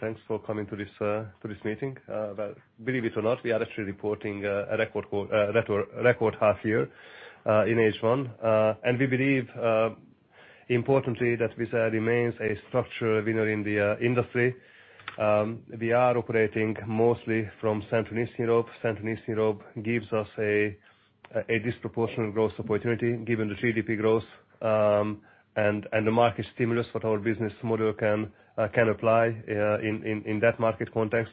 Thanks for coming to this meeting. Believe it or not, we are actually reporting a record half year in H1. We believe, importantly, that Wizz Air remains a structural winner in the industry. We are operating mostly from Central and Eastern Europe. Central and Eastern Europe gives us a disproportionate growth opportunity given the GDP growth and the market stimulus that our business model can apply in that market context.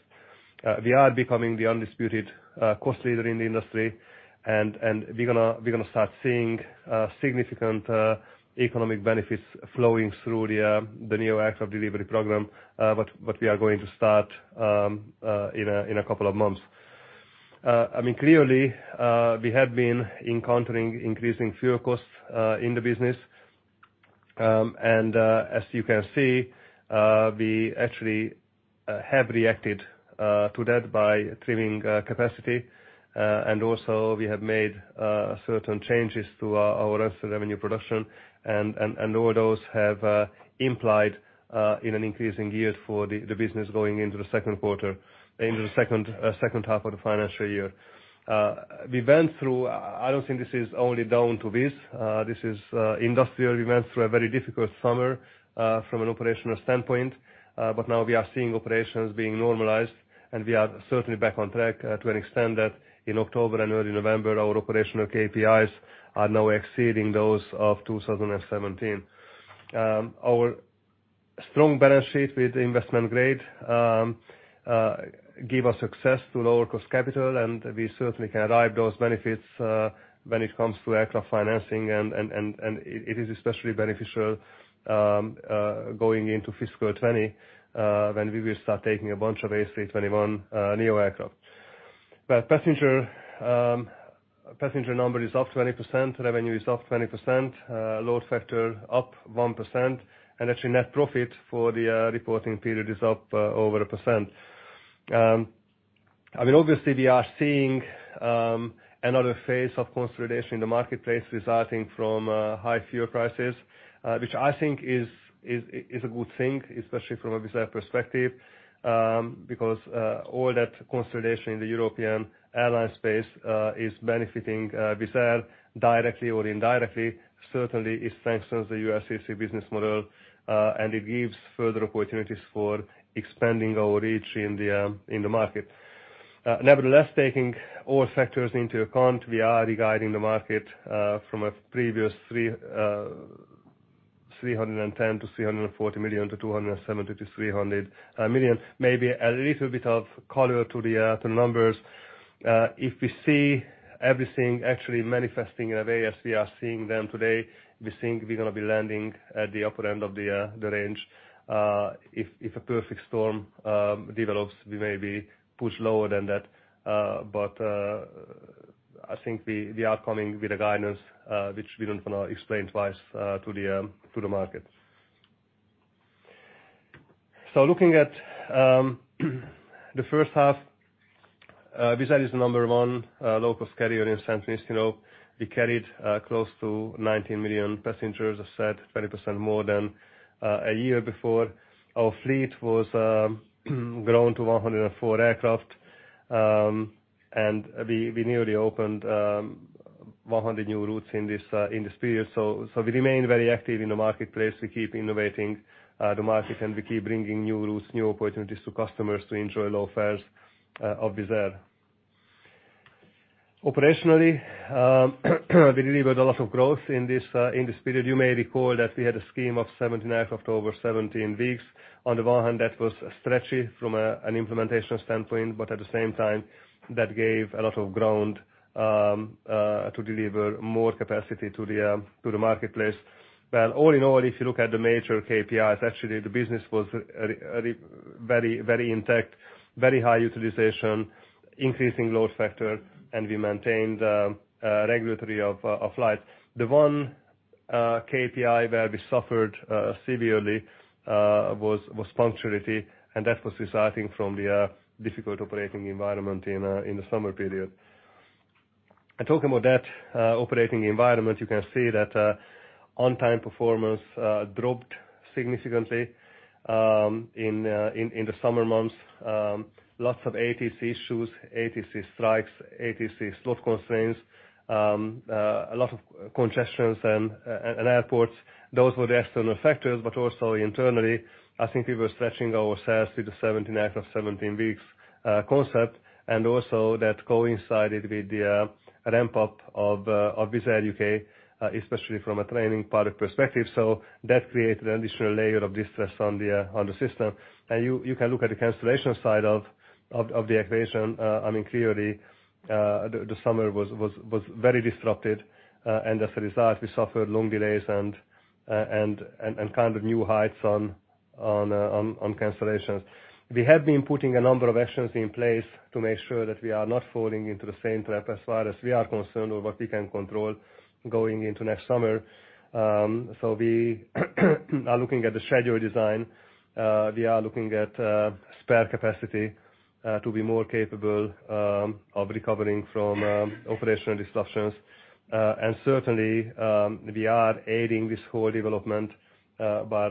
We are becoming the undisputed cost leader in the industry, and we are going to start seeing significant economic benefits flowing through the new aircraft delivery program, but we are going to start in a couple of months. Clearly, we have been encountering increasing fuel costs in the business. As you can see, we actually have reacted to that by trimming capacity. Also we have made certain changes to our revenue production. All those have implied in an increasing year for the business going into the second half of the financial year. We went through, I don't think this is only down to this is industrial. We went through a very difficult summer from an operational standpoint. Now we are seeing operations being normalized. We are certainly back on track to an extent that in October and early November, our operational KPIs are now exceeding those of 2017. Our strong balance sheet with investment grade gave us success to lower-cost capital. We certainly can derive those benefits when it comes to aircraft financing. It is especially beneficial going into FY 2020, when we will start taking a bunch of A321neo aircraft. Passenger number is up 20%, revenue is up 20%, load factor up 1%. Actually net profit for the reporting period is up over 1%. Obviously we are seeing another phase of consolidation in the marketplace resulting from high fuel prices, which I think is a good thing, especially from a Wizz Air perspective. All that consolidation in the European airline space is benefiting Wizz Air directly or indirectly. Certainly, it strengthens the LCC business model. It gives further opportunities for expanding our reach in the market. Nevertheless, taking all factors into account, we are guiding the market from a previous 310 million-340 million to 270 million-300 million. Maybe a little bit of color to the numbers. If we see everything actually manifesting in a way as we are seeing them today, we think we're going to be landing at the upper end of the range. If a perfect storm develops, we may be pushed lower than that. I think we are coming with a guidance which we don't want to explain twice to the market. Looking at the first half, Wizz Air is the number one low-cost carrier in Central and Eastern Europe. We carried close to 19 million passengers, as I said, 30% more than a year before. Our fleet was grown to 104 aircraft. We newly opened 100 new routes in this period. We remain very active in the marketplace. We keep innovating the market. We keep bringing new routes, new opportunities to customers to enjoy low fares of Wizz Air. Operationally, we delivered a lot of growth in this period. You may recall that we had a scheme of 17 aircraft over 17 weeks. On the one hand, that was stretchy from an implementation standpoint, but at the same time, that gave a lot of ground to deliver more capacity to the marketplace. All in all, if you look at the major KPIs, actually, the business was very intact, very high utilization, increasing load factor, and we maintained regularity of flights. The one KPI where we suffered severely was punctuality, and that was resulting from the difficult operating environment in the summer period. Talking about that operating environment, you can see that on-time performance dropped significantly in the summer months. Lots of ATC issues, ATC strikes, ATC slot constraints, a lot of congestion at airports. Those were the external factors. Also internally, I think we were stretching ourselves with the 17 aircraft, 17 weeks concept, and also that coincided with the ramp-up of Wizz Air UK, especially from a training product perspective. That created an additional layer of distress on the system. You can look at the cancellation side of the equation. Clearly, the summer was very disrupted. As a result, we suffered long delays and kind of new heights on cancellations. We have been putting a number of actions in place to make sure that we are not falling into the same trap as far as we are concerned, or what we can control going into next summer. We are looking at the schedule design. We are looking at spare capacity to be more capable of recovering from operational disruptions. Certainly, we are aiding this whole development by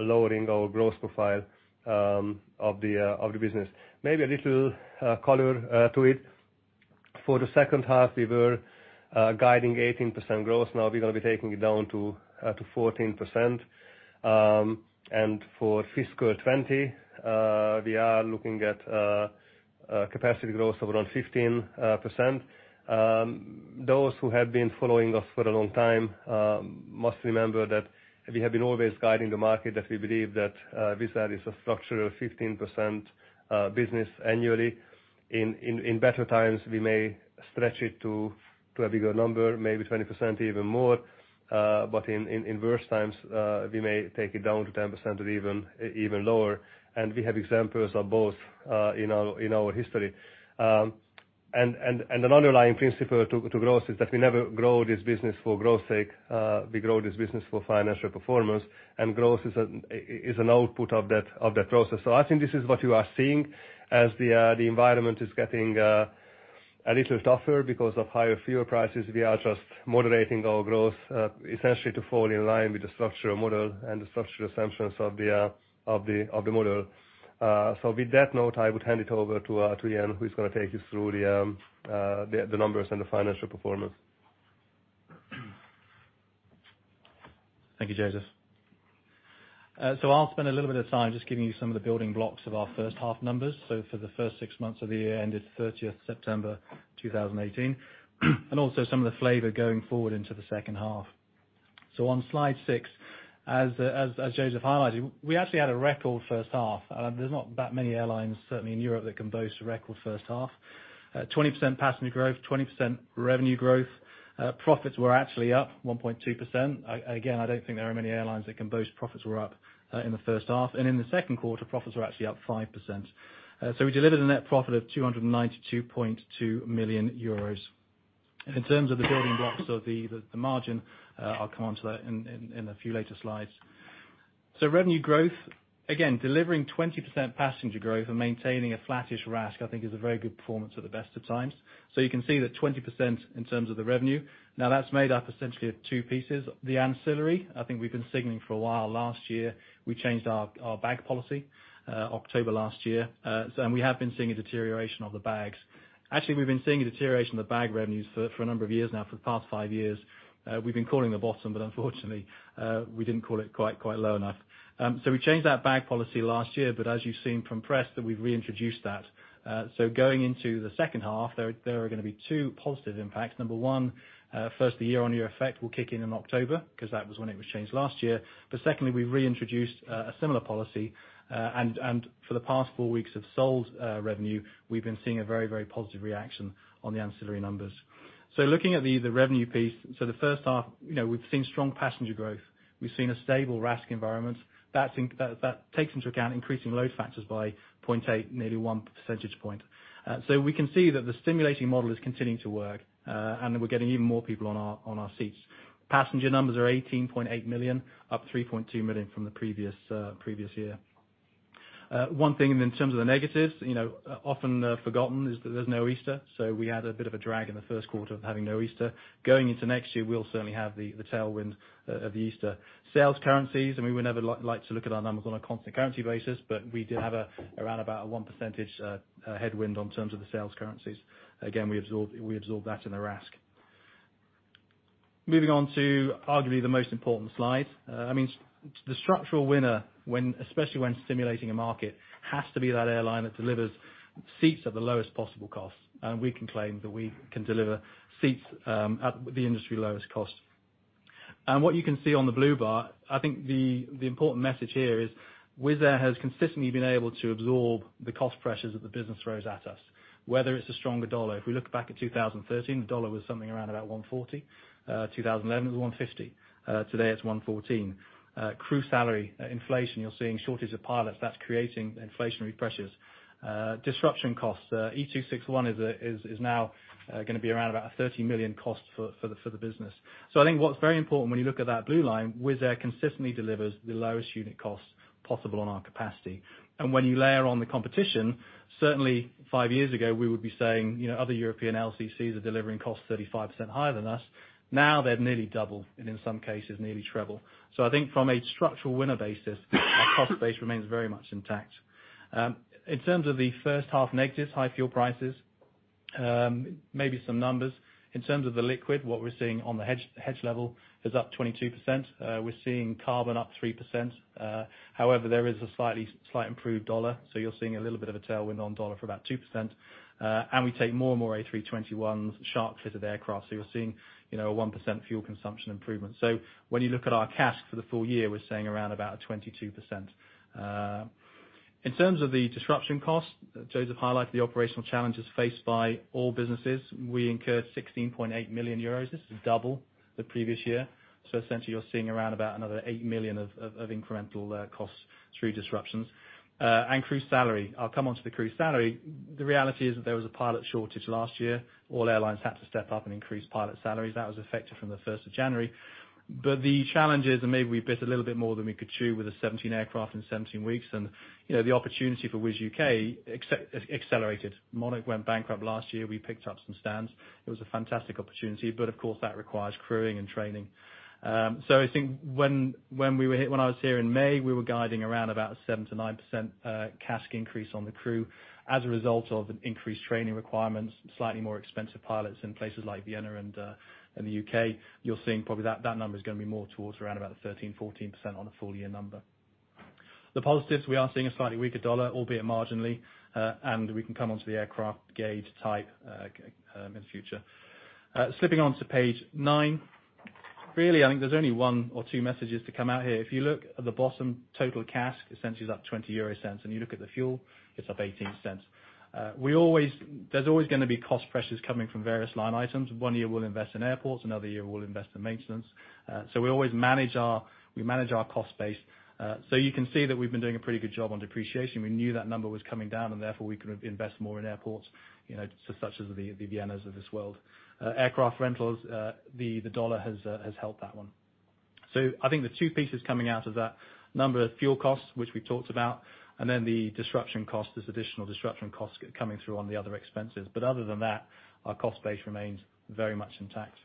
lowering our growth profile of the business. Maybe a little color to it. For the second half, we were guiding 18% growth. Now we're going to be taking it down to 14%. For FY 2020, we are looking at capacity growth of around 15%. Those who have been following us for a long time must remember that we have been always guiding the market, that we believe that Wizz Air is a structural 15% business annually. In better times, we may stretch it to a bigger number, maybe 20%, even more. In worse times, we may take it down to 10% or even lower. We have examples of both in our history. An underlying principle to growth is that we never grow this business for growth's sake. We grow this business for financial performance, and growth is an output of that process. I think this is what you are seeing as the environment is getting a little tougher because of higher fuel prices. We are just moderating our growth, essentially, to fall in line with the structural model and the structural assumptions of the model. With that note, I would hand it over to Ian, who's going to take you through the numbers and the financial performance. Thank you, József. I'll spend a little bit of time just giving you some of the building blocks of our first half numbers. For the first six months of the year, ended 30th September 2018, and also some of the flavor going forward into the second half. On slide six, as József highlighted, we actually had a record first half. There's not that many airlines, certainly in Europe, that can boast a record first half. 20% passenger growth, 20% revenue growth. Profits were actually up 1.2%. Again, I don't think there are many airlines that can boast profits were up in the first half. In the second quarter, profits were actually up 5%. We delivered a net profit of 292.2 million euros. In terms of the building blocks of the margin, I'll come onto that in a few later slides. Revenue growth, again, delivering 20% passenger growth and maintaining a flattish RASK, I think is a very good performance at the best of times. You can see that 20% in terms of the revenue. That's made up essentially of two pieces. The ancillary, I think we've been signaling for a while. Last year, we changed our bag policy, October last year. We have been seeing a deterioration of the bags. Actually, we've been seeing a deterioration of the bag revenues for a number of years now. For the past five years, we've been calling the bottom, but unfortunately, we didn't call it quite low enough. We changed that bag policy last year. As you've seen from press that we've reintroduced that. Going into the second half, there are going to be two positive impacts. Number 1, first, the year-on-year effect will kick in in October, because that was when it was changed last year. Secondly, we've reintroduced a similar policy. For the past four weeks of sold revenue, we've been seeing a very positive reaction on the ancillary numbers. Looking at the revenue piece. The first half, we've seen strong passenger growth. We've seen a stable RASK environment that takes into account increasing load factors by 0.8, nearly one percentage point. We can see that the stimulating model is continuing to work, and we're getting even more people on our seats. Passenger numbers are 18.8 million, up 3.2 million from the previous year. One thing in terms of the negatives, often forgotten is that there's no Easter. We had a bit of a drag in the first quarter of having no Easter. Going into next year, we'll certainly have the tailwind of the Easter. Sales currencies, we would never like to look at our numbers on a constant currency basis, but we did have around about a one percentage headwind in terms of the sales currencies. Again, we absorbed that in the RASK. Moving on to arguably the most important slide. The structural winner, especially when stimulating a market, has to be that airline that delivers seats at the lowest possible cost. We can claim that we can deliver seats at the industry lowest cost. What you can see on the blue bar, I think the important message here is Wizz Air has consistently been able to absorb the cost pressures that the business throws at us, whether it's a stronger dollar. If we look back at 2013, the dollar was something around about 140. 2011, it was 150. Today it's $114. Crew salary, inflation, you're seeing shortage of pilots, that's creating inflationary pressures. Disruption costs, EU261 is now going to be around about a 30 million cost for the business. I think what's very important when you look at that blue line, Wizz Air consistently delivers the lowest unit cost possible on our capacity. When you layer on the competition, certainly five years ago, we would be saying other European LCCs are delivering costs 35% higher than us. Now they're nearly double, and in some cases, nearly triple. I think from a structural winner basis, our cost base remains very much intact. In terms of the first half negatives, high fuel prices, maybe some numbers. In terms of the liquid, what we're seeing on the hedge level is up 22%. We're seeing carbon up 3%. There is a slight improved dollar, you're seeing a little bit of a tailwind on dollar for about 2%. We take more and more A321s sharklet-fitted aircraft, you're seeing a 1% fuel consumption improvement. When you look at our CASK for the full year, we're saying around about a 22%. In terms of the disruption cost, József highlighted the operational challenges faced by all businesses. We incurred 16.8 million euros. This is double the previous year. Essentially you're seeing around about another 8 million of incremental costs through disruptions. Crew salary. I'll come onto the crew salary. The reality is that there was a pilot shortage last year. All airlines had to step up and increase pilot salaries. That was effective from the 1st of January. The challenge is, maybe we bit a little bit more than we could chew with the 17 aircraft in 17 weeks, the opportunity for Wizz Air UK accelerated. Monarch Airlines went bankrupt last year. We picked up some stands. It was a fantastic opportunity, but of course that requires crewing and training. I think when I was here in May, we were guiding around about a 7%-9% CASK increase on the crew as a result of increased training requirements, slightly more expensive pilots in places like Vienna and the U.K. You're seeing probably that number's going to be more towards around about 13%-14% on a full year number. The positives, we are seeing a slightly weaker dollar, albeit marginally. We can come onto the aircraft gauge type in the future. Slipping onto page nine. Really, I think there's only one or two messages to come out here. If you look at the bottom total CASK, essentially is up 0.20, and you look at the fuel, it's up 0.18. There's always going to be cost pressures coming from various line items. One year we'll invest in airports, another year we'll invest in maintenance. We always manage our cost base. You can see that we've been doing a pretty good job on depreciation. We knew that number was coming down, and therefore we could invest more in airports, such as the Viennas of this world. Aircraft rentals, the dollar has helped that one. I think the two pieces coming out of that, number of fuel costs, which we talked about, and then the disruption cost, this additional disruption cost coming through on the other expenses. Other than that, our cost base remains very much intact.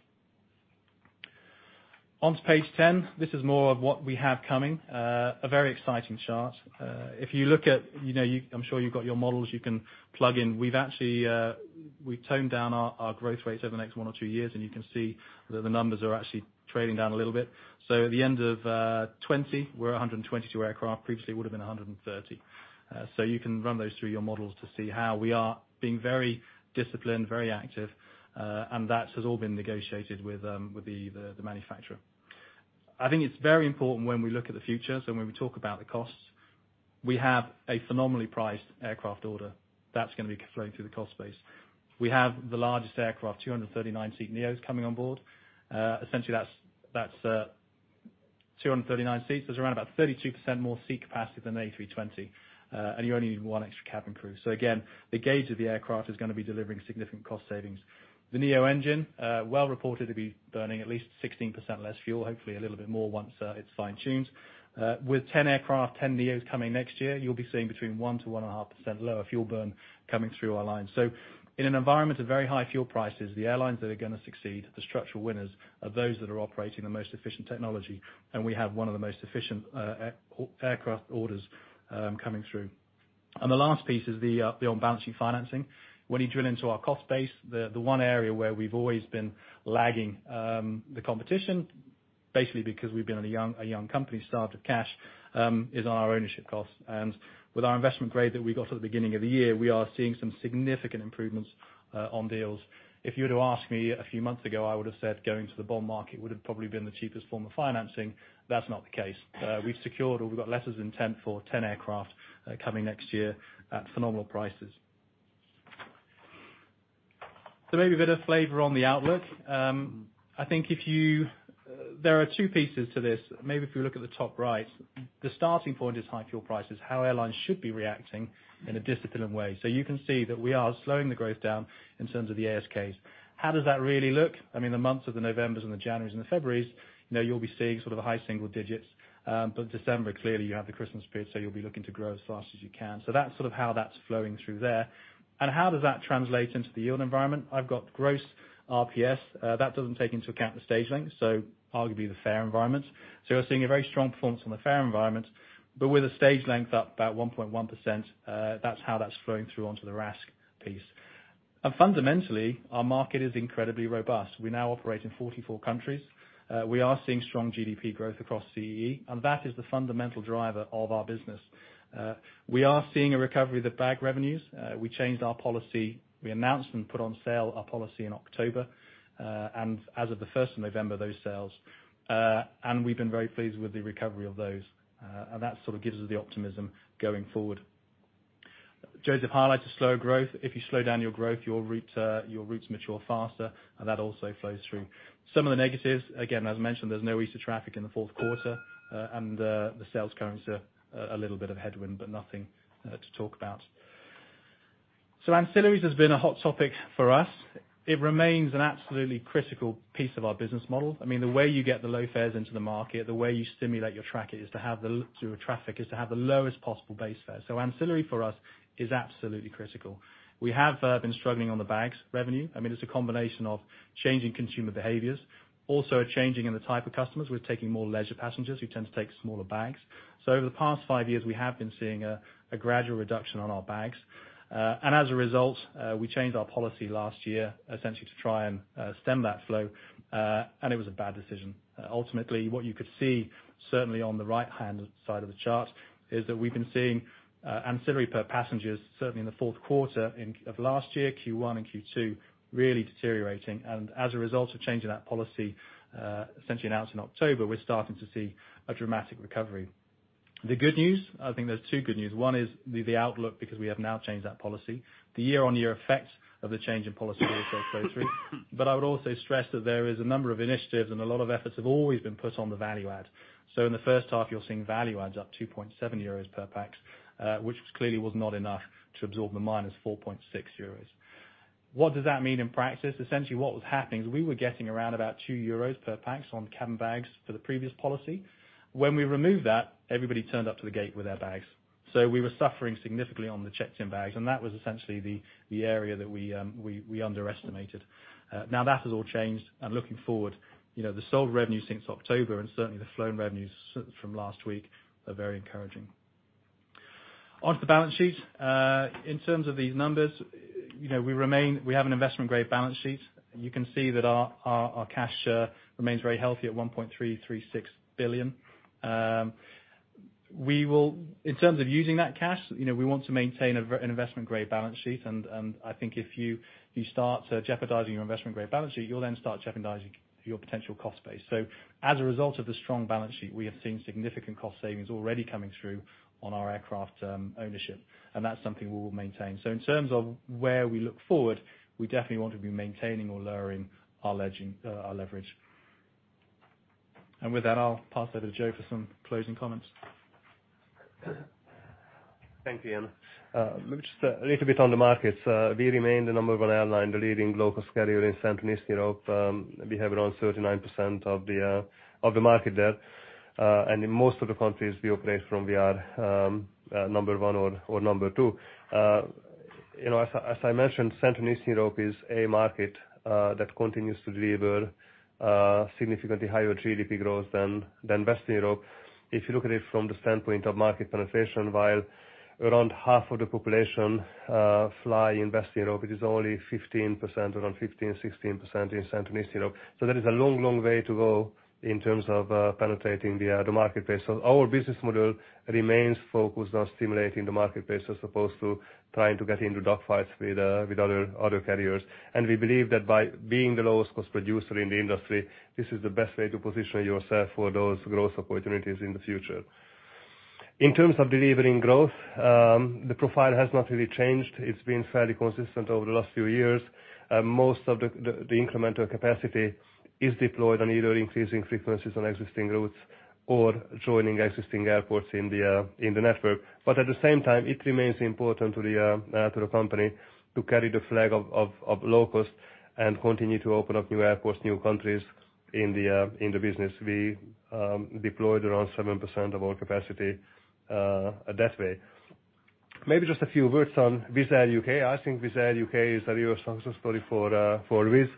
On to page 10. This is more of what we have coming. A very exciting chart. I'm sure you've got your models you can plug in. We've toned down our growth rates over the next one or two years, and you can see that the numbers are actually trailing down a little bit. At the end of 2020, we're 122 aircraft. Previously, it would've been 130. You can run those through your models to see how we are being very disciplined, very active, and that has all been negotiated with the manufacturer. I think it's very important when we look at the future, when we talk about the costs, we have a phenomenally priced aircraft order that's going to be flowing through the cost base. We have the largest aircraft, 239-seat NEOs coming on board. Essentially that's 239 seats. There's around about 32% more seat capacity than the Airbus A320. You only need one extra cabin crew. Again, the gauge of the aircraft is going to be delivering significant cost savings. The NEO engine, well reported to be burning at least 16% less fuel, hopefully a little bit more once it's fine-tuned. With 10 aircraft, 10 NEOs coming next year, you'll be seeing between 1%-1.5% lower fuel burn coming through our lines. In an environment of very high fuel prices, the airlines that are going to succeed are the structural winners are those that are operating the most efficient technology, and we have one of the most efficient aircraft orders coming through. The last piece is the on balancing financing. When you drill into our cost base, the one area where we've always been lagging the competition, basically because we've been a young company, starved of cash, is on our ownership cost. With our investment grade that we got at the beginning of the year, we are seeing some significant improvements on deals. If you were to ask me a few months ago, I would've said going to the bond market would've probably been the cheapest form of financing. That's not the case. We've secured, or we've got letters of intent for 10 aircraft coming next year at phenomenal prices. Maybe a bit of flavor on the outlook. There are two pieces to this. Maybe if you look at the top right. The starting point is high fuel prices, how airlines should be reacting in a disciplined way. You can see that we are slowing the growth down in terms of the ASKs. How does that really look? I mean, the months of the Novembers and the Januaries and the Februaries, you'll be seeing high single digits. December, clearly you have the Christmas period, you'll be looking to grow as fast as you can. That's how that's flowing through there. How does that translate into the yield environment? I've got gross RPS. That doesn't take into account the stage length, arguably the fare environment. We're seeing a very strong performance on the fare environment. With a stage length up about 1.1%, that's how that's flowing through onto the RASK piece. Fundamentally, our market is incredibly robust. We now operate in 44 countries. We are seeing strong GDP growth across CEE, and that is the fundamental driver of our business. We are seeing a recovery of the bag revenues. We changed our policy. We announced and put on sale our policy in October, as of the 1st of November, those sales. We've been very pleased with the recovery of those. That sort of gives us the optimism going forward. József highlighted slower growth. If you slow down your growth, your routes mature faster, and that also flows through. Some of the negatives, again, as mentioned, there's no Easter traffic in the fourth quarter, and the sales currency are a little bit of a headwind, but nothing to talk about. Ancillaries has been a hot topic for us. It remains an absolutely critical piece of our business model. I mean, the way you get the low fares into the market, the way you stimulate your traffic, is to have the lowest possible base fare. Ancillary for us is absolutely critical. We have been struggling on the bags revenue. It's a combination of changing consumer behaviors, also a changing in the type of customers. We're taking more leisure passengers who tend to take smaller bags. Over the past five years, we have been seeing a gradual reduction on our bags. As a result, we changed our policy last year, essentially to try and stem that flow. It was a bad decision. Ultimately, what you could see, certainly on the right-hand side of the chart, is that we've been seeing ancillary per passengers, certainly in the fourth quarter of last year, Q1 and Q2, really deteriorating. As a result of changing that policy, essentially announced in October, we're starting to see a dramatic recovery. The good news, I think there's two good news. One is the outlook, because we have now changed that policy. The year-on-year effect of the change in policy will also go through. I would also stress that there is a number of initiatives and a lot of efforts have always been put on the value add. In the first half, you're seeing value adds up to 2.7 euros per pax, which clearly was not enough to absorb the minus 4.6 euros. What does that mean in practice? Essentially, what was happening is we were getting around about 2 euros per pax on cabin bags for the previous policy. When we removed that, everybody turned up to the gate with their bags. We were suffering significantly on the checked-in bags, and that was essentially the area that we underestimated. Now, that has all changed, and looking forward, the sold revenue since October and certainly the flown revenues from last week are very encouraging. On to the balance sheet. In terms of these numbers, we have an investment-grade balance sheet. You can see that our cash remains very healthy at 1.336 billion. In terms of using that cash, we want to maintain an investment-grade balance sheet, I think if you start jeopardizing your investment-grade balance sheet, you'll then start jeopardizing your potential cost base. As a result of the strong balance sheet, we have seen significant cost savings already coming through on our aircraft ownership, and that's something we will maintain. In terms of where we look forward, we definitely want to be maintaining or lowering our leverage. With that, I'll pass over to József for some closing comments. Thank you, Ian. Maybe just a little bit on the markets. We remain the number 1 airline, the leading local carrier in Central and Eastern Europe. We have around 39% of the market there. In most of the countries we operate from, we are number 1 or number 2. As I mentioned, Central and Eastern Europe is a market that continues to deliver significantly higher GDP growth than Western Europe. If you look at it from the standpoint of market penetration, while around half of the population fly in Western Europe, it is only 15%, around 15%-16% in Central and Eastern Europe. There is a long way to go in terms of penetrating the marketplace. Our business model remains focused on stimulating the marketplace as opposed to trying to get into dog fights with other carriers. We believe that by being the lowest cost producer in the industry, this is the best way to position yourself for those growth opportunities in the future. In terms of delivering growth, the profile has not really changed. It's been fairly consistent over the last few years. Most of the incremental capacity is deployed on either increasing frequencies on existing routes or joining existing airports in the network. At the same time, it remains important to the company to carry the flag of low cost and continue to open up new airports, new countries in the business. We deployed around 7% of our capacity that way. Maybe just a few words on Wizz Air U.K. I think Wizz Air U.K. is a real success story for Wizz.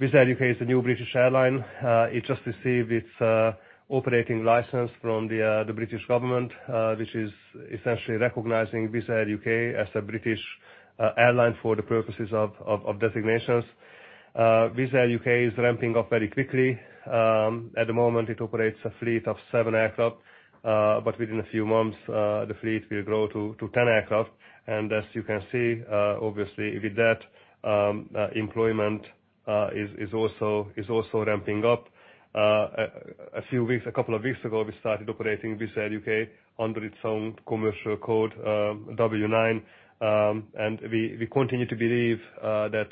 Wizz Air U.K. is the new British airline. It just received its operating license from the British Government, which is essentially recognizing Wizz Air U.K. as a British airline for the purposes of designations. Wizz Air U.K. is ramping up very quickly. At the moment, it operates a fleet of 7 aircraft, but within a few months, the fleet will grow to 10 aircraft. As you can see, obviously, with that, employment is also ramping up. A couple of weeks ago, we started operating Wizz Air U.K. under its own commercial code, W9. We continue to believe that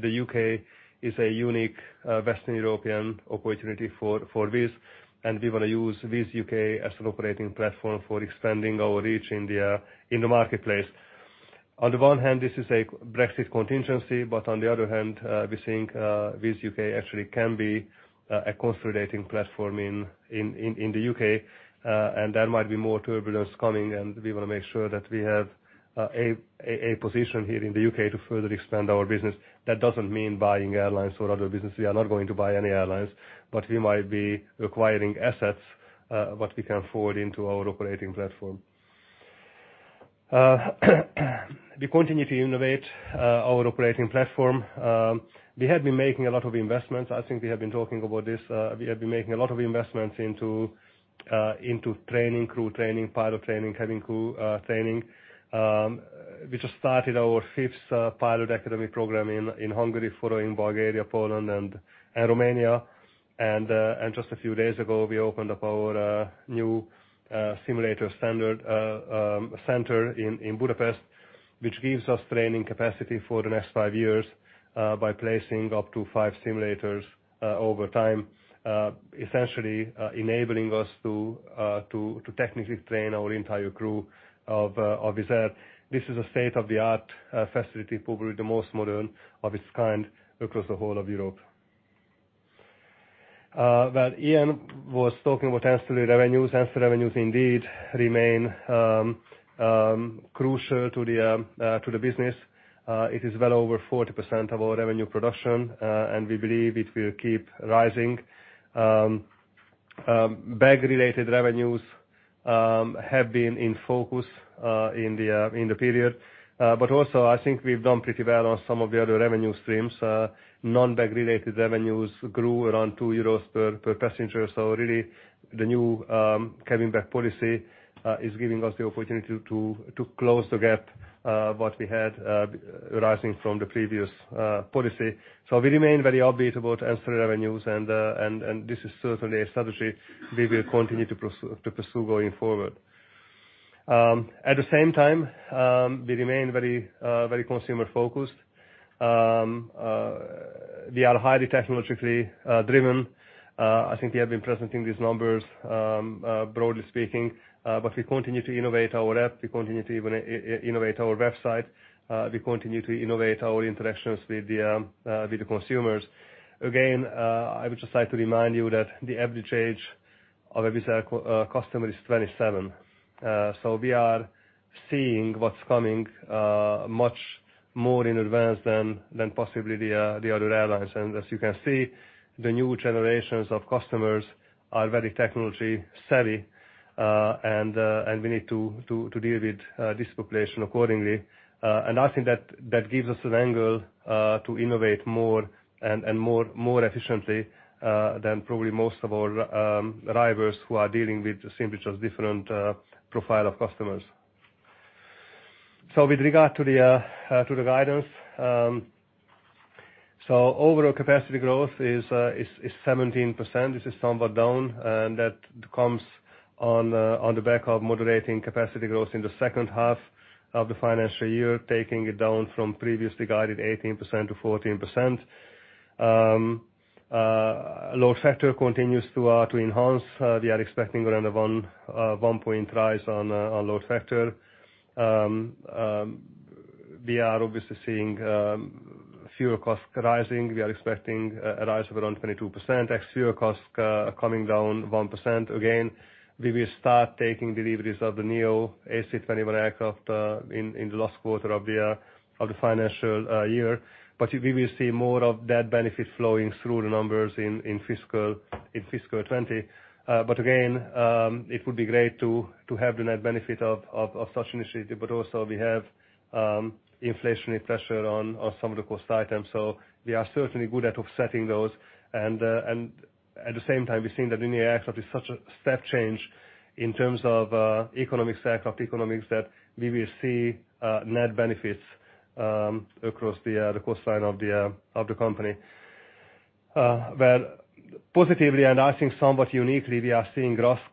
the U.K. is a unique Western European opportunity for Wizz, and we want to use Wizz U.K. as an operating platform for expanding our reach in the marketplace. On the one hand, this is a Brexit contingency, but on the other hand, we think Wizz U.K. actually can be a consolidating platform in the U.K., and there might be more turbulence coming, and we want to make sure that we have a position here in the U.K. to further expand our business. That doesn't mean buying airlines or other business. We are not going to buy any airlines, but we might be acquiring assets that we can forward into our operating platform. We continue to innovate our operating platform. We have been making a lot of investments. I think we have been talking about this. We have been making a lot of investments into training, crew training, pilot training, cabin crew training. We just started our fifth pilot academy program in Hungary, following Bulgaria, Poland, and Romania. Just a few days ago, we opened up our new simulator center in Budapest, which gives us training capacity for the next 5 years by placing up to 5 simulators over time, essentially enabling us to technically train our entire crew of Wizz Air. This is a state-of-the-art facility, probably the most modern of its kind across the whole of Europe. Well, Ian was talking about ancillary revenues. Ancillary revenues indeed remain crucial to the business. It is well over 40% of our revenue production, and we believe it will keep rising. Bag-related revenues have been in focus in the period. Also, I think we've done pretty well on some of the other revenue streams. Non-bag-related revenues grew around 2 euros per passenger. Really, the new cabin bag policy is giving us the opportunity to close the gap that we had arising from the previous policy. We remain very upbeat about ancillary revenues, and this is certainly a strategy we will continue to pursue going forward. At the same time, we remain very consumer-focused. We are highly technologically driven. I think we have been presenting these numbers, broadly speaking, but we continue to innovate our app, we continue to innovate our website, we continue to innovate our interactions with the consumers. Again, I would just like to remind you that the average age of a Wizz Air customer is 27. We are seeing what's coming much more in advance than possibly the other airlines. As you can see, the new generations of customers are very technology-savvy, and we need to deal with this population accordingly. I think that gives us an angle to innovate more and more efficiently than probably most of our rivals who are dealing with simply just different profile of customers. With regard to the guidance. Overall capacity growth is 17%, this is somewhat down, and that comes on the back of moderating capacity growth in the second half of the financial year, taking it down from previously guided 18% to 14%. Load factor continues to enhance. We are expecting around a one-point rise on load factor. We are obviously seeing fuel cost rising. We are expecting a rise of around 22%. Ex-fuel cost coming down 1%. Again, we will start taking deliveries of the new Airbus A321 aircraft in the last quarter of the financial year. We will see more of that benefit flowing through the numbers in FY 2020. Again, it would be great to have the net benefit of such initiative, also we have inflationary pressure on some of the cost items. We are certainly good at offsetting those, and at the same time, we're seeing that in the aircraft is such a step change in terms of economics, aircraft economics, that we will see net benefits across the cost side of the company. Well, positively, and I think somewhat uniquely, we are seeing RASK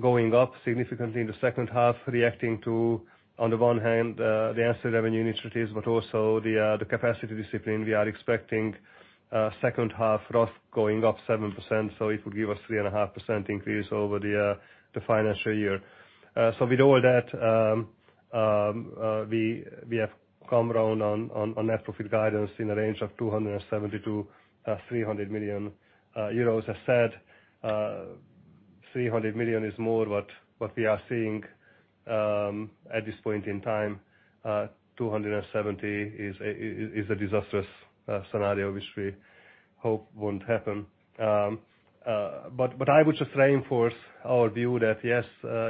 going up significantly in the second half, reacting to, on the one hand, the ancillary revenue initiatives, but also the capacity discipline. We are expecting second half RASK going up 7%, so it will give us 3.5% increase over the financial year. With all that, we have come around on net profit guidance in a range of 270 million-300 million euros. As said, 300 million is more what we are seeing at this point in time. 270 is a disastrous scenario, which we hope won't happen. I would just reinforce our view that, yes,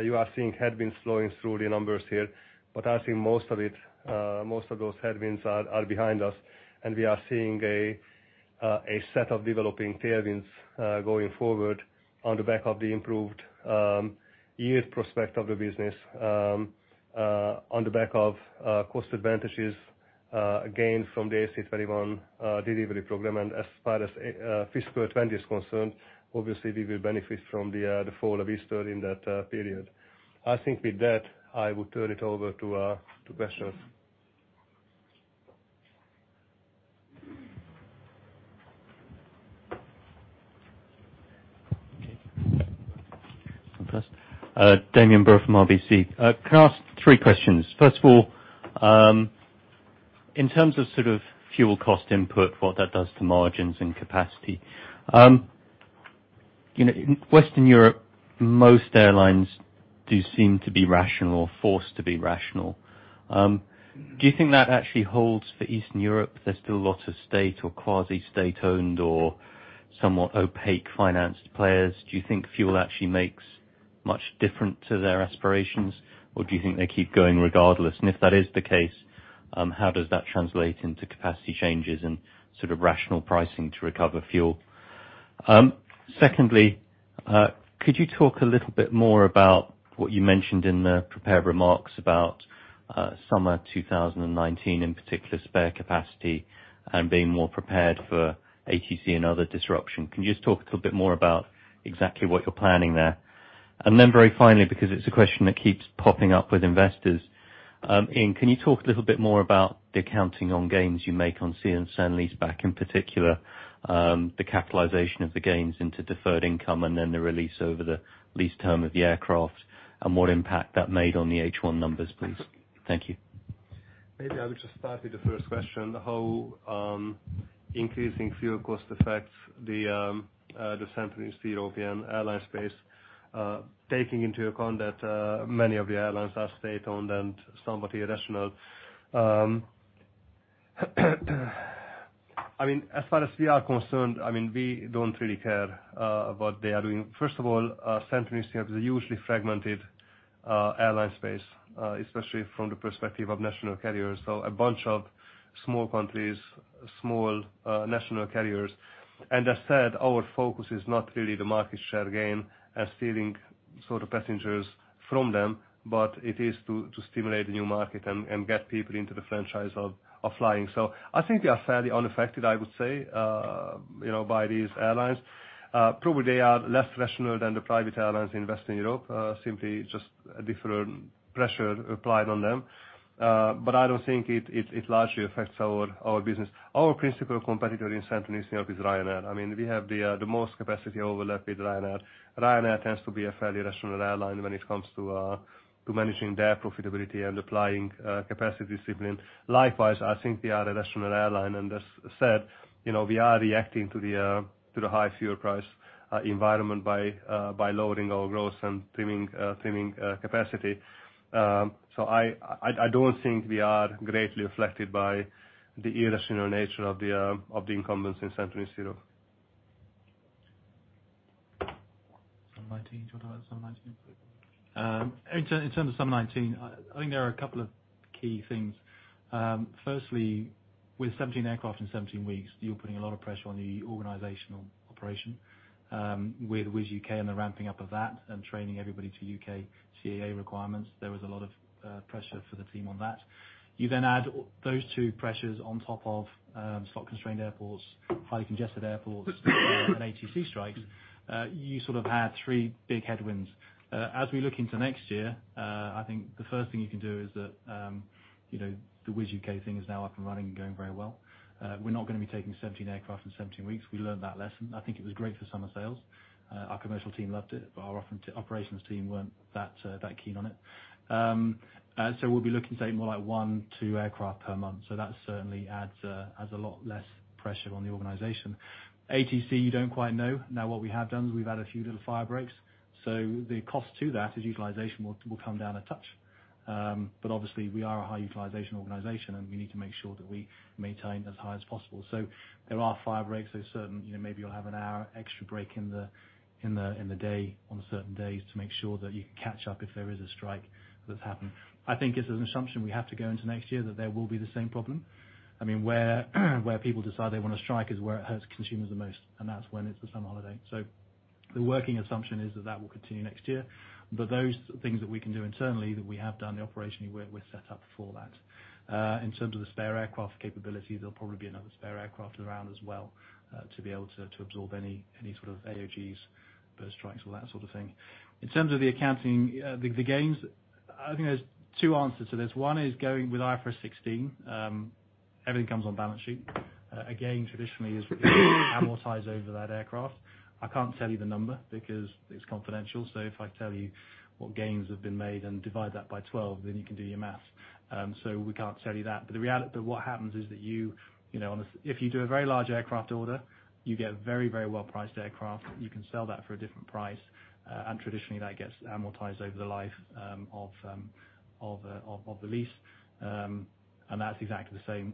you are seeing headwinds flowing through the numbers here, but I think most of those headwinds are behind us, and we are seeing a set of developing tailwinds going forward on the back of the improved yield prospect of the business, on the back of cost advantages gained from the Airbus A321 delivery program. As far as FY 2020 is concerned, obviously we will benefit from the fall of Easter in that period. I think with that, I would turn it over to questions. Okay. Damian Brewer from RBC. Can I ask three questions? First of all, in terms of sort of fuel cost input, what that does to margins and capacity. In Western Europe, most airlines do seem to be rational or forced to be rational. Do you think that actually holds for Eastern Europe? There's still a lot of state or quasi state-owned or somewhat opaque financed players. Do you think fuel actually makes much different to their aspirations, or do you think they keep going regardless? If that is the case, how does that translate into capacity changes and sort of rational pricing to recover fuel? Secondly, could you talk a little bit more about what you mentioned in the prepared remarks about summer 2019, in particular spare capacity and being more prepared for ATC and other disruption. Can you just talk a little bit more about exactly what you're planning there? Then very finally, because it's a question that keeps popping up with investors, Ian, can you talk a little bit more about the accounting on gains you make on sale and leaseback, in particular, the capitalization of the gains into deferred income and then the release over the lease term of the aircraft, and what impact that made on the H1 numbers, please? Thank you. Maybe I would just start with the first question, how increasing fuel cost affects the Central and Eastern European airline space, taking into account that many of the airlines are state-owned and somewhat irrational. As far as we are concerned, we don't really care what they are doing. First of all, Central and Eastern Europe is a hugely fragmented airline space, especially from the perspective of national carriers. A bunch of small countries, small national carriers. As said, our focus is not really the market share gain as stealing sort of passengers from them, but it is to stimulate the new market and get people into the franchise of flying. I think we are fairly unaffected, I would say, by these airlines. Probably they are less rational than the private airlines in Western Europe, simply just a different pressure applied on them. I don't think it largely affects our business. Our principal competitor in Central and Eastern Europe is Ryanair. We have the most capacity overlap with Ryanair. Ryanair tends to be a fairly rational airline when it comes to managing their profitability and applying capacity discipline. Likewise, I think we are a rational airline, and as said, we are reacting to the high fuel price environment by lowering our growth and trimming capacity. I don't think we are greatly affected by the irrational nature of the incumbents in Central and Eastern Europe. Sum 2019. Do you want to talk about Summer 2019? In terms of Summer 2019, I think there are a couple of key things. Firstly, with 17 aircraft in 17 weeks, you're putting a lot of pressure on the organizational operation. With Wizz UK and the ramping up of that and training everybody to UK CAA requirements, there was a lot of pressure for the team on that. You then add those two pressures on top of slot-constrained airports, highly congested airports, and ATC strikes. You sort of had three big headwinds. We look into next year, I think the first thing you can do is that, the Wizz UK thing is now up and running and going very well. We're not going to be taking 17 aircraft in 17 weeks. We learned that lesson. I think it was great for summer sales. Our commercial team loved it, our operations team weren't that keen on it. We'll be looking to take more like one to two aircraft per month. That certainly adds a lot less pressure on the organization. ATC, you don't quite know. What we have done is we've added a few little fire breaks. The cost to that is utilization will come down a touch. Obviously we are a high-utilization organization, and we need to make sure that we maintain as high as possible. There are fire breaks. There's certain, maybe you'll have an hour extra break in the day on certain days to make sure that you can catch up if there is a strike that's happened. I think it's an assumption we have to go into next year that there will be the same problem. Where people decide they want to strike is where it hurts consumers the most, and that's when it's the summer holiday. The working assumption is that will continue next year. Those things that we can do internally, that we have done the operation, we're set up for that. In terms of the spare aircraft capability, there'll probably be another spare aircraft around as well, to be able to absorb any sort of AOGs, bird strikes, all that sort of thing. In terms of the accounting, the gains, I think there's two answers to this. One is going with IFRS 16. Everything comes on balance sheet. A gain traditionally is amortized over that aircraft. I can't tell you the number because it's confidential, if I tell you what gains have been made and divide that by 12, then you can do your math. We can't tell you that. What happens is that if you do a very large aircraft order, you get a very well-priced aircraft. You can sell that for a different price, and traditionally, that gets amortized over the life of the lease. That's exactly the same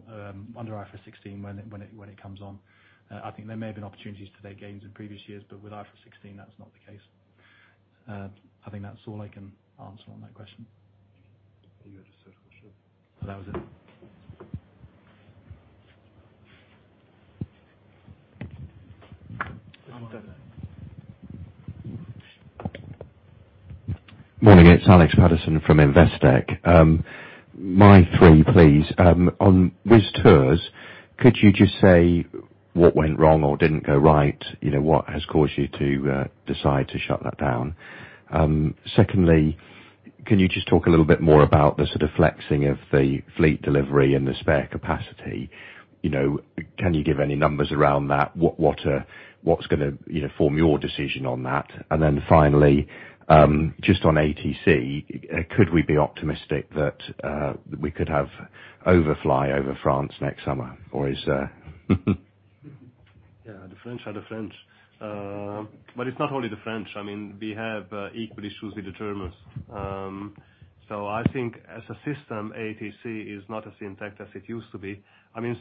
under IFRS 16 when it comes on. I think there may have been opportunities to take gains in previous years, but with IFRS 16, that's not the case. I think that's all I can answer on that question. You had a third question. That was it. Morning, it's Alex Paterson from Investec. My three, please. On Wizz Tours, could you just say what went wrong or didn't go right? What has caused you to decide to shut that down? Secondly, can you just talk a little bit more about the sort of flexing of the fleet delivery and the spare capacity? Can you give any numbers around that? What's going to form your decision on that? Finally, just on ATC, could we be optimistic that we could have overfly over France next summer? Or is The French are the French. It's not only the French. We have equal issues with the Germans. I think as a system, ATC is not as intact as it used to be.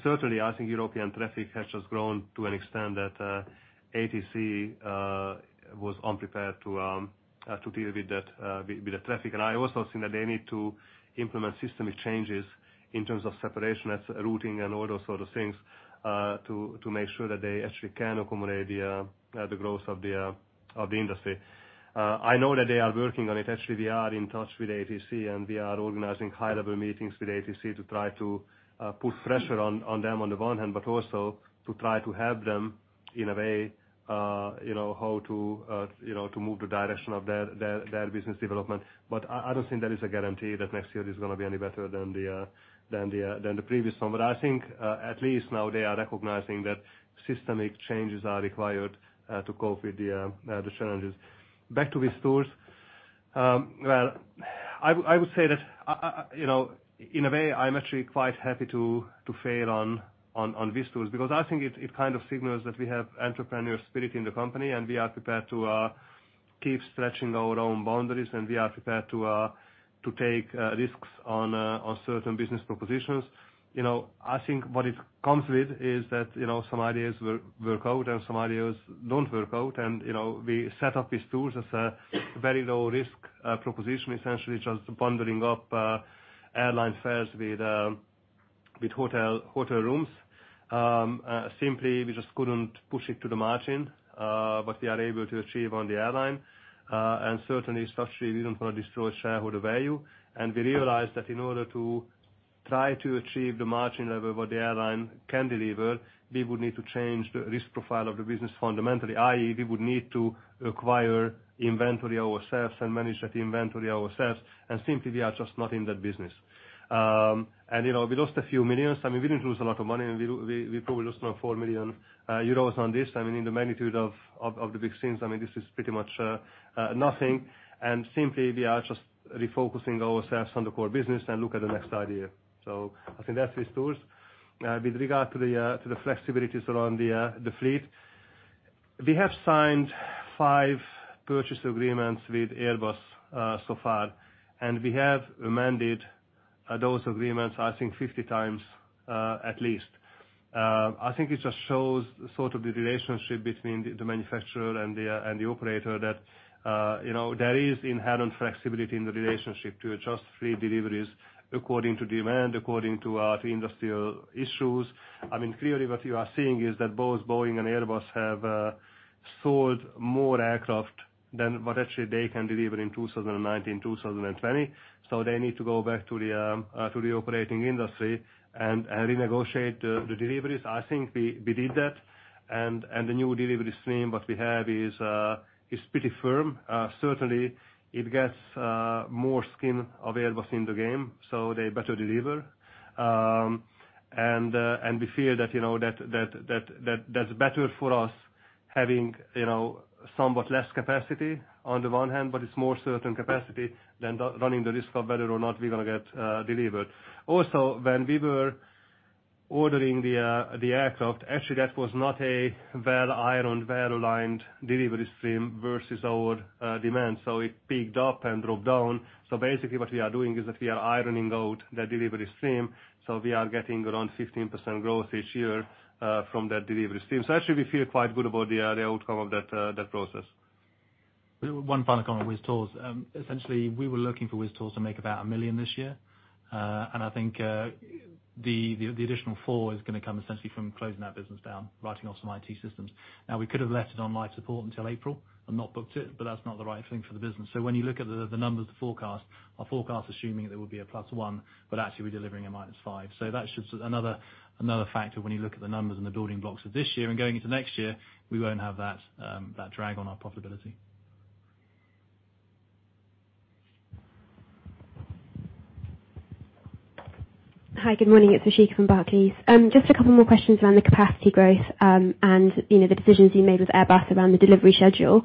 Certainly, I think European traffic has just grown to an extent that ATC was unprepared to deal with the traffic. I also think that they need to implement systemic changes in terms of separation, routing, and all those sort of things, to make sure that they actually can accommodate the growth of the industry. I know that they are working on it. We are in touch with ATC, and we are organizing high-level meetings with ATC to try to put pressure on them on the one hand, but also to try to help them in a way, how to move the direction of their business development. I don't think there is a guarantee that next year is going to be any better than the previous one. I think, at least now they are recognizing that systemic changes are required to cope with the challenges. Back to Wizz Tours. I would say that, in a way, I'm actually quite happy to fail on Wizz Tours, because I think it kind of signals that we have entrepreneurial spirit in the company, and we are prepared to keep stretching our own boundaries, and we are prepared to take risks on certain business propositions. I think what it comes with is that some ideas will work out and some ideas don't work out, and we set up Wizz Tours as a very low-risk proposition, essentially just bundling up airline fares with hotel rooms. We just couldn't push it to the margin, but we are able to achieve on the airline, certainly, structurally, we don't want to destroy shareholder value. We realized that in order to try to achieve the margin level what the airline can deliver, we would need to change the risk profile of the business fundamentally, i.e., we would need to acquire inventory ourselves and manage that inventory ourselves. Simply, we are just not in that business. We lost a few millions. We didn't lose a lot of money. We probably lost around 4 million euros on this. In the magnitude of the big schemes, this is pretty much nothing. Simply, we are just refocusing ourselves on the core business and look at the next idea. I think that's Wizz Tours. With regard to the flexibilities around the fleet, we have signed five purchase agreements with Airbus so far, and we have amended those agreements, I think, 50 times at least. I think it just shows sort of the relationship between the manufacturer and the operator that there is inherent flexibility in the relationship to adjust fleet deliveries according to demand, according to industrial issues. Clearly, what you are seeing is that both Boeing and Airbus have sold more aircraft than what actually they can deliver in 2019, 2020. They need to go back to the operating industry and renegotiate the deliveries. I think we did that. The new delivery stream, what we have is pretty firm. Certainly, it gets more skin available in the game, they better deliver. We feel that that's better for us having somewhat less capacity on the one hand, but it's more certain capacity than running the risk of whether or not we're going to get delivered. When we were ordering the aircraft, actually, that was not a well-ironed, well-aligned delivery stream versus our demand, so it peaked up and dropped down. Basically, what we are doing is that we are ironing out the delivery stream, so we are getting around 15% growth each year from that delivery stream. Actually, we feel quite good about the outcome of that process. One final comment on Wizz Tours. Essentially, we were looking for Wizz Tours to make about 1 million this year. I think the additional 4 million is going to come essentially from closing that business down, writing off some IT systems. We could have left it on life support until April and not booked it, but that's not the right thing for the business. When you look at the numbers, the forecast, our forecast assuming there will be a plus 1 million, but actually we're delivering a minus 5 million. That's just another factor when you look at the numbers and the building blocks of this year and going into next year, we won't have that drag on our profitability. Hi, good morning. It's Ashika from Barclays. Just a couple more questions around the capacity growth, and the decisions you made with Airbus around the delivery schedule.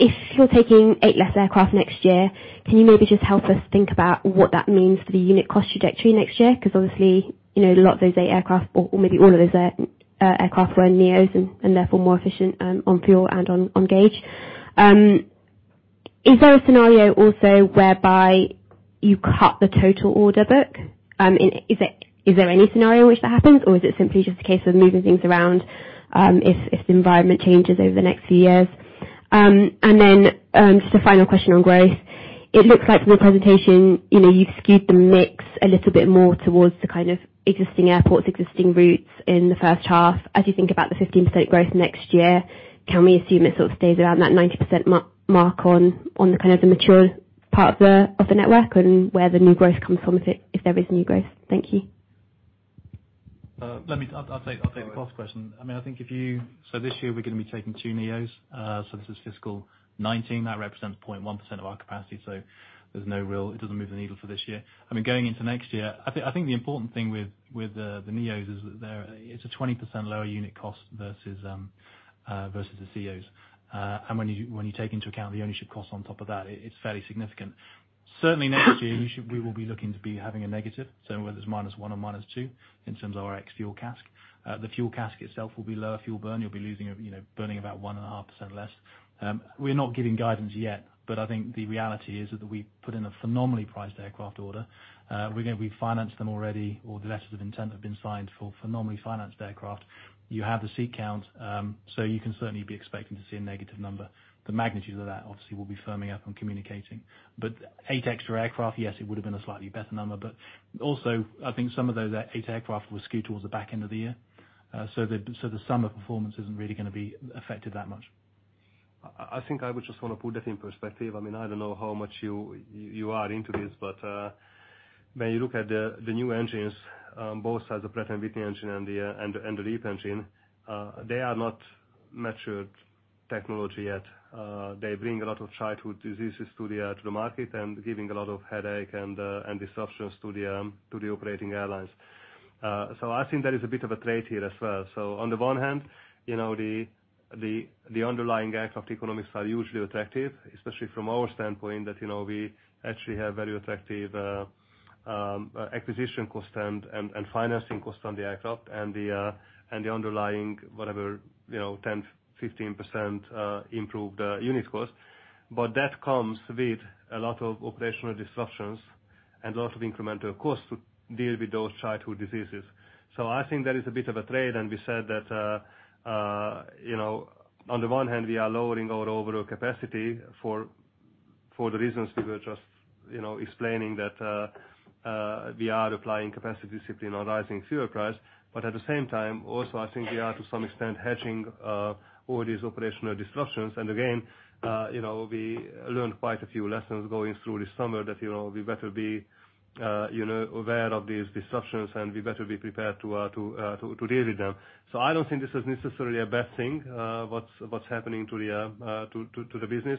If you're taking eight less aircraft next year, can you maybe just help us think about what that means for the unit cost trajectory next year? Because obviously, a lot of those eight aircraft or maybe all of those aircraft were neos and therefore more efficient on fuel and on gauge. Is there a scenario also whereby you cut the total order book? Is there any scenario in which that happens? Or is it simply just a case of moving things around, if the environment changes over the next few years? Then, just a final question on growth. It looks like from your presentation, you've skewed the mix a little bit more towards the kind of existing airports, existing routes in the first half. As you think about the 15% growth next year, can we assume it sort of stays around that 90% mark on kind of the mature part of the network? Where the new growth comes from, if there is new growth? Thank you. I'll take the cost question. This year we're going to be taking two neos, this is FY 2019. That represents 0.1% of our capacity, it doesn't move the needle for this year. Going into next year, the important thing with the neos is it's a 20% lower unit cost versus the CEOs. When you take into account the ownership cost on top of that, it's fairly significant. Next year we will be looking to be having a negative, whether it's minus one or minus two in terms of our ex-fuel CASK. The fuel CASK itself will be lower fuel burn. You'll be burning about one and a half percent less. We're not giving guidance yet, the reality is that we put in a phenomenally priced aircraft order. We've financed them already, or the letters of intent have been signed for phenomenally financed aircraft. You have the seat count, you can certainly be expecting to see a negative number. The magnitude of that, obviously, we'll be firming up and communicating. Eight extra aircraft, yes, it would have been a slightly better number. Some of those eight aircraft were skewed towards the back end of the year. The summer performance isn't really going to be affected that much. I would just want to put that in perspective. I don't know how much you are into this, when you look at the new engines, both as a Pratt & Whitney engine and the LEAP engine, they are not matured technology yet. They bring a lot of childhood diseases to the market and giving a lot of headache and disruptions to the operating airlines. There is a bit of a trade here as well. On the one hand, the underlying aircraft economics are hugely attractive, especially from our standpoint that we actually have very attractive acquisition cost and financing cost on the aircraft and the underlying whatever 10%, 15% improved unit cost. That comes with a lot of operational disruptions and a lot of incremental costs to deal with those childhood diseases. There is a bit of a trade, we said that on the one hand, we are lowering our overall capacity for the reasons we were just explaining that we are applying capacity discipline on rising fuel price. At the same time, we are, to some extent, hedging all these operational disruptions. Again, we learned quite a few lessons going through this summer that we better be aware of these disruptions and we better be prepared to deal with them. I don't think this is necessarily a bad thing, what's happening to the business.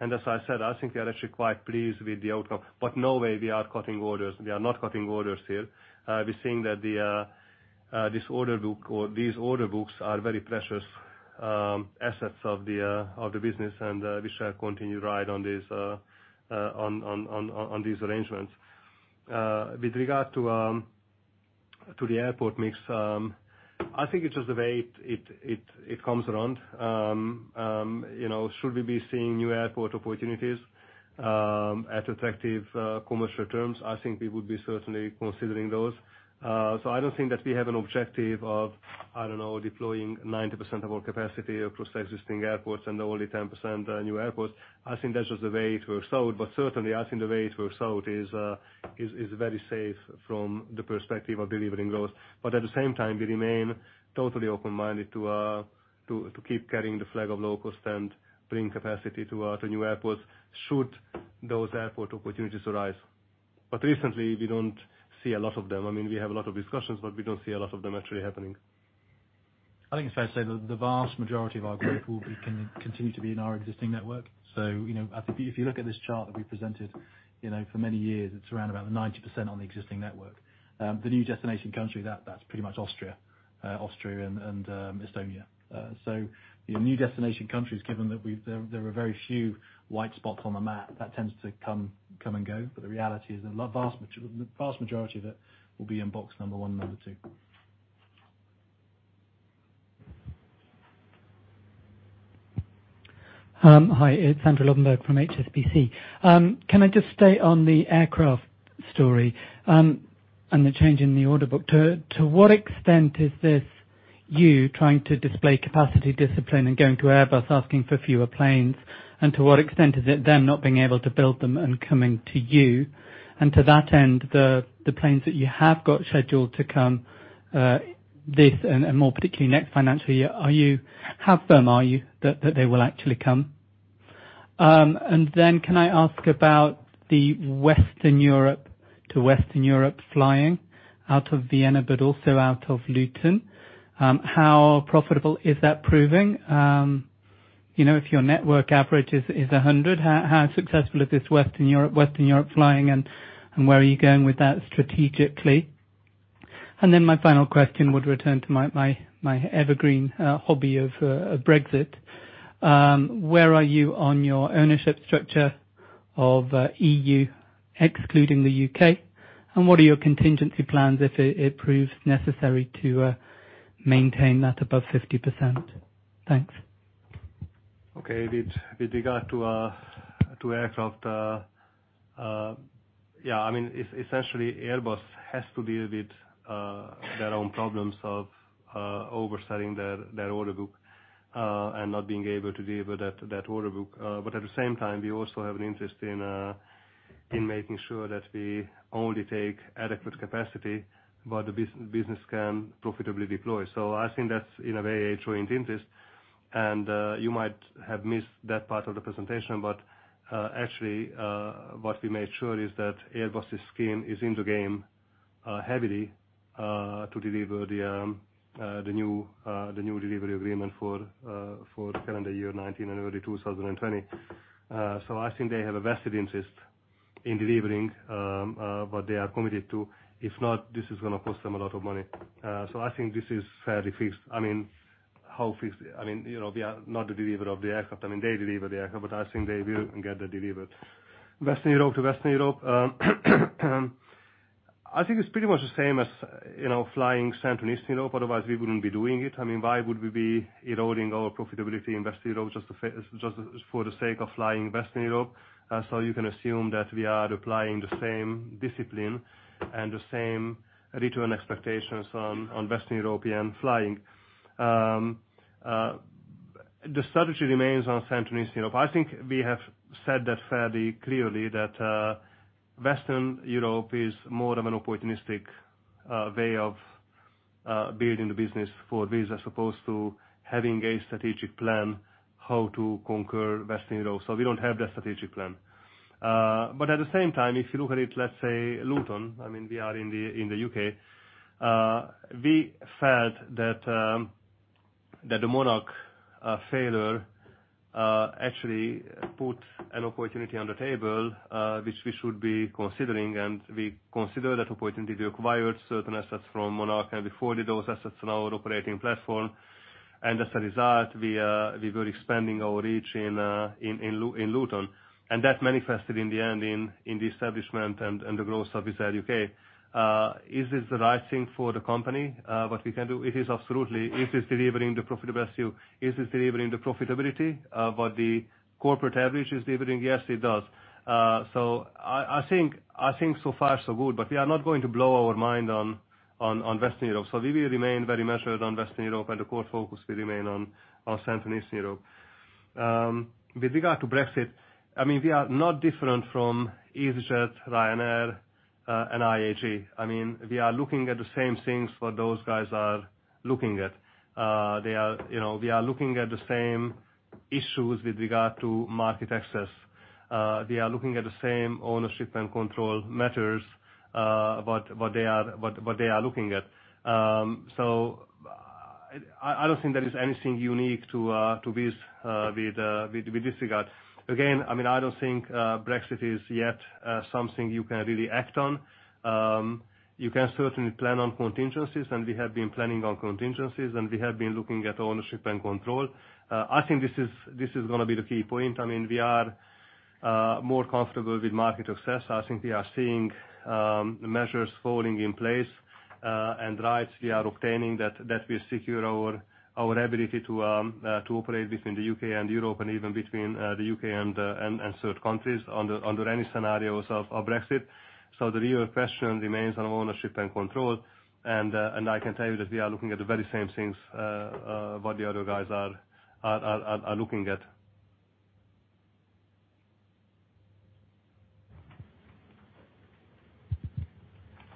We are actually quite pleased with the outcome. No way we are cutting orders. We are not cutting orders here. We're seeing that this order book, or these order books are very precious assets of the business, we shall continue right on these arrangements. With regard to the airport mix, I think it's just the way it comes around. Should we be seeing new airport opportunities at attractive commercial terms, I think we would be certainly considering those. I don't think that we have an objective of, I don't know, deploying 90% of our capacity across existing airports and only 10% new airports. I think that's just the way it works out. Certainly, I think the way it works out is very safe from the perspective of delivering those. At the same time, we remain totally open-minded to keep carrying the flag of low cost and bring capacity to new airports should those airport opportunities arise. Recently, we don't see a lot of them. We have a lot of discussions, we don't see a lot of them actually happening. I think it's fair to say that the vast majority of our growth will continue to be in our existing network. If you look at this chart that we presented, for many years, it's around about 90% on the existing network. The new destination country, that's pretty much Austria. Austria and Estonia. New destination countries, given that there are very few white spots on the map, that tends to come and go. The reality is the vast majority of it will be in box number 1 and number 2. Hi, it's Andrew Lobbenberg from HSBC. Can I just stay on the aircraft story, and the change in the order book? To what extent is this you trying to display capacity discipline and going to Airbus asking for fewer planes? To what extent is it them not being able to build them and coming to you? To that end, the planes that you have got scheduled to come this, and more particularly next financial year, how firm are you that they will actually come? Can I ask about the Western Europe to Western Europe flying out of Vienna, but also out of Luton. How profitable is that proving? If your network average is 100, how successful is this Western Europe flying and where are you going with that strategically? My final question would return to my evergreen hobby of Brexit. Where are you on your ownership structure of EU, excluding the U.K.? What are your contingency plans if it proves necessary to maintain that above 50%? Thanks. Okay. With regard to aircraft, essentially Airbus has to deal with their own problems of overselling their order book, not being able to deliver that order book. At the same time, we also have an interest in making sure that we only take adequate capacity, where the business can profitably deploy. I think that's, in a way, a joint interest, you might have missed that part of the presentation, but actually, what we made sure is that Airbus's skin is in the game heavily to deliver the new delivery agreement for calendar year 2019 and early 2020. I think they have a vested interest in delivering what they are committed to. If not, this is going to cost them a lot of money. I think this is fairly fixed. We are not the deliverer of the aircraft. They deliver the aircraft, I think they will get that delivered. Western Europe to Western Europe. I think it's pretty much the same as flying Central Eastern Europe. Otherwise, we wouldn't be doing it. Why would we be eroding our profitability in Western Europe just for the sake of flying Western Europe? You can assume that we are applying the same discipline and the same return expectations on Western European flying. The strategy remains on Central Eastern Europe. I think we have said that fairly clearly that Western Europe is more of an opportunistic way of building the business for Wizz Air as opposed to having a strategic plan how to conquer Western Europe. We don't have that strategic plan. At the same time, if you look at it, let's say Luton, we are in the U.K. We felt that the Monarch failure actually put an opportunity on the table, which we should be considering, we consider that opportunity. We acquired certain assets from Monarch, we folded those assets in our operating platform. As a result, we were expanding our reach in Luton. That manifested in the end in the establishment and the growth of Wizz Air U.K. Is this the right thing for the company, what we can do? It is absolutely. Is this delivering the profitability? What the corporate average is delivering? Yes, it does. I think so far so good, but we are not going to blow our mind on Western Europe. We will remain very measured on Western Europe, the core focus will remain on Central Eastern Europe. With regard to Brexit, we are not different from EasyJet, Ryanair, and IAG. We are looking at the same things what those guys are looking at. We are looking at the same issues with regard to market access. We are looking at the same ownership and control matters, what they are looking at. I don't think there is anything unique to Wizz with this regard. Again, I don't think Brexit is yet something you can really act on. You can certainly plan on contingencies, and we have been planning on contingencies, and we have been looking at ownership and control. I think this is going to be the key point. We are more comfortable with market access. I think we are seeing the measures falling in place, and rights we are obtaining that will secure our ability to operate between the U.K. and Europe and even between the U.K. and third countries under any scenarios of Brexit. The real question remains on ownership and control, and I can tell you that we are looking at the very same things, what the other guys are looking at.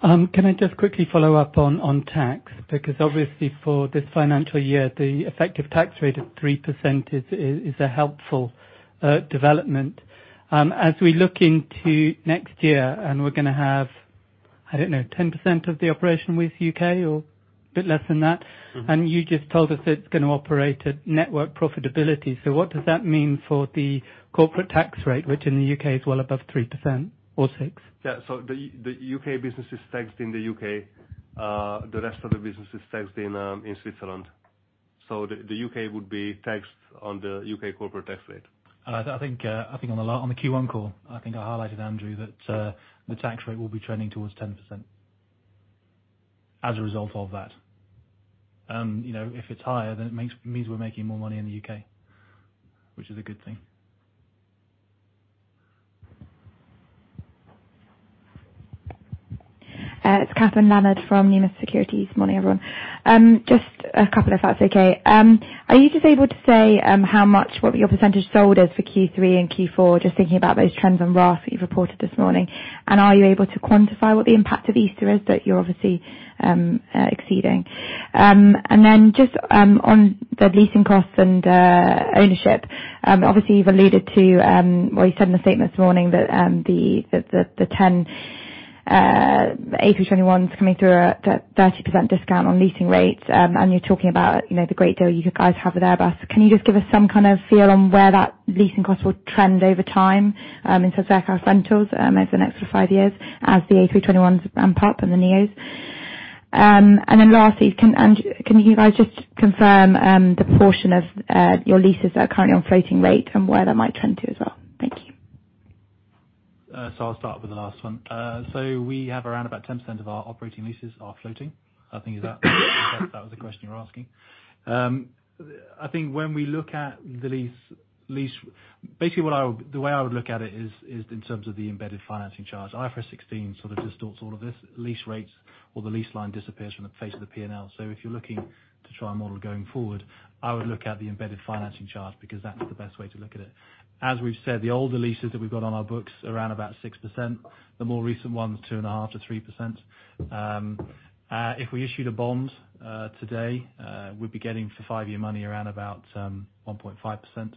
Can I just quickly follow up on tax? Because obviously, for this financial year, the effective tax rate of 3% is a helpful development. As we look into next year, and we're going to have, I don't know, 10% of the operation with U.K. or bit less than that. You just told us it's going to operate at network profitability. What does that mean for the corporate tax rate, which in the U.K. is well above 3% or 6%? The U.K. business is taxed in the U.K. The rest of the business is taxed in Switzerland. The U.K. would be taxed on the U.K. corporate tax rate. I think on the Q1 call, I think I highlighted, Andrew, that the tax rate will be trending towards 10% as a result of that. If it's higher, it means we're making more money in the U.K., which is a good thing. It's Kathryn Leonard from Numis Securities. Morning, everyone. Just a couple of thoughts. Are you just able to say how much, what your percentage sold is for Q3 and Q4? Just thinking about those trends on RASK that you've reported this morning. Are you able to quantify what the impact of Easter is that you're obviously exceeding? Just on the leasing costs and ownership. Obviously, you've alluded to, well, you said in the statement this morning that the 10 Airbus A321s coming through at a 30% discount on leasing rates, and you're talking about the great deal you guys have with Airbus. Can you just give us some kind of feel on where that leasing cost will trend over time in terms of aircraft rentals over the next five years as the Airbus A321s ramp up and the NEOs? Lastly, can you guys just confirm the portion of your leases that are currently on floating rate and where that might trend to as well? Thank you. I'll start with the last one. We have around about 10% of our operating leases are floating. I think that was the question you were asking. I think when we look at it, basically, the way I would look at it is in terms of the embedded financing charge. IFRS 16 sort of distorts all of this. Lease rates or the lease line disappears from the face of the P&L. If you're looking to try a model going forward, I would look at the embedded financing charge because that's the best way to look at it. As we've said, the older leases that we've got on our books, around about 6%, the more recent ones, 2.5%-3%. If we issued a bond today, we'd be getting for five-year money around about 1.5%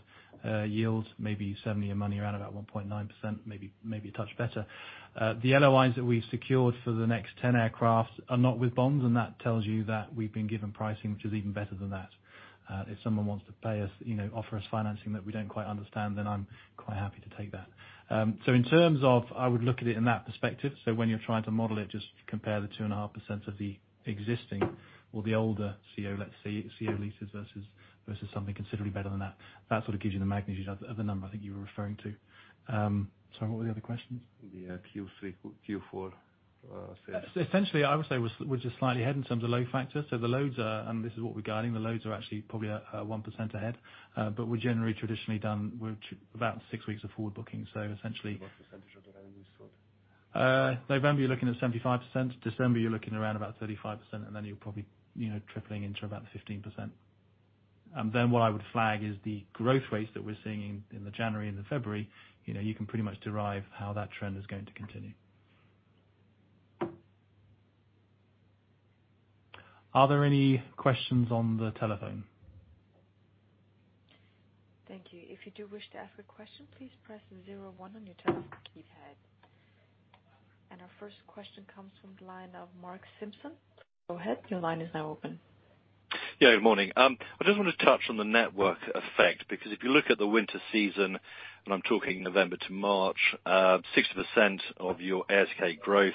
yield, maybe seven-year money around about 1.9%, maybe a touch better. The LOIs that we've secured for the next 10 aircraft are not with bonds. That tells you that we've been given pricing which is even better than that. If someone wants to pay us, offer us financing that we don't quite understand, then I'm quite happy to take that. In terms of, I would look at it in that perspective. When you're trying to model it, just compare the 2.5% of the existing or the older CEOs leases versus something considerably better than that. That sort of gives you the magnitude of the number I think you were referring to. Sorry, what were the other questions? The Q3, Q4 sales. Essentially, I would say we're just slightly ahead in terms of load factors. The loads are, and this is what we're guiding, the loads are actually probably 1% ahead. We're generally traditionally done with about six weeks of forward booking. What percentage of that are you for? November, you're looking at 75%, December, you're looking around about 35%. Then you're probably tripling into about 15%. What I would flag is the growth rates that we're seeing in the January and the February, you can pretty much derive how that trend is going to continue. Are there any questions on the telephone? Thank you. If you do wish to ask a question, please press 01 on your telephone keypad. Our first question comes from the line of Mark Simpson. Go ahead, your line is now open. Yeah, good morning. I just want to touch on the network effect, because if you look at the winter season, I'm talking November to March, 60% of your RASK growth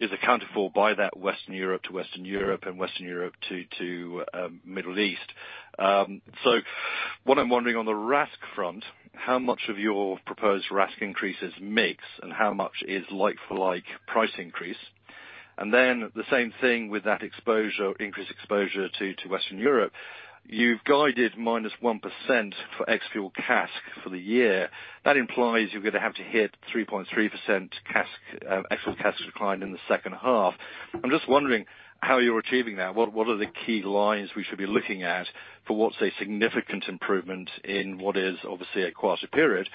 is accounted for by that Western Europe to Western Europe and Western Europe to Middle East. What I'm wondering on the RASK front, how much of your proposed RASK increases mix and how much is like for like price increase? The same thing with that increased exposure to Western Europe. You've guided minus 1% for ex-fuel CASK for the year. That implies you're going to have to hit 3.3% ex-fuel CASK decline in the second half. I'm just wondering how you're achieving that. What are the key lines we should be looking at for what's a significant improvement in what is obviously a quieter period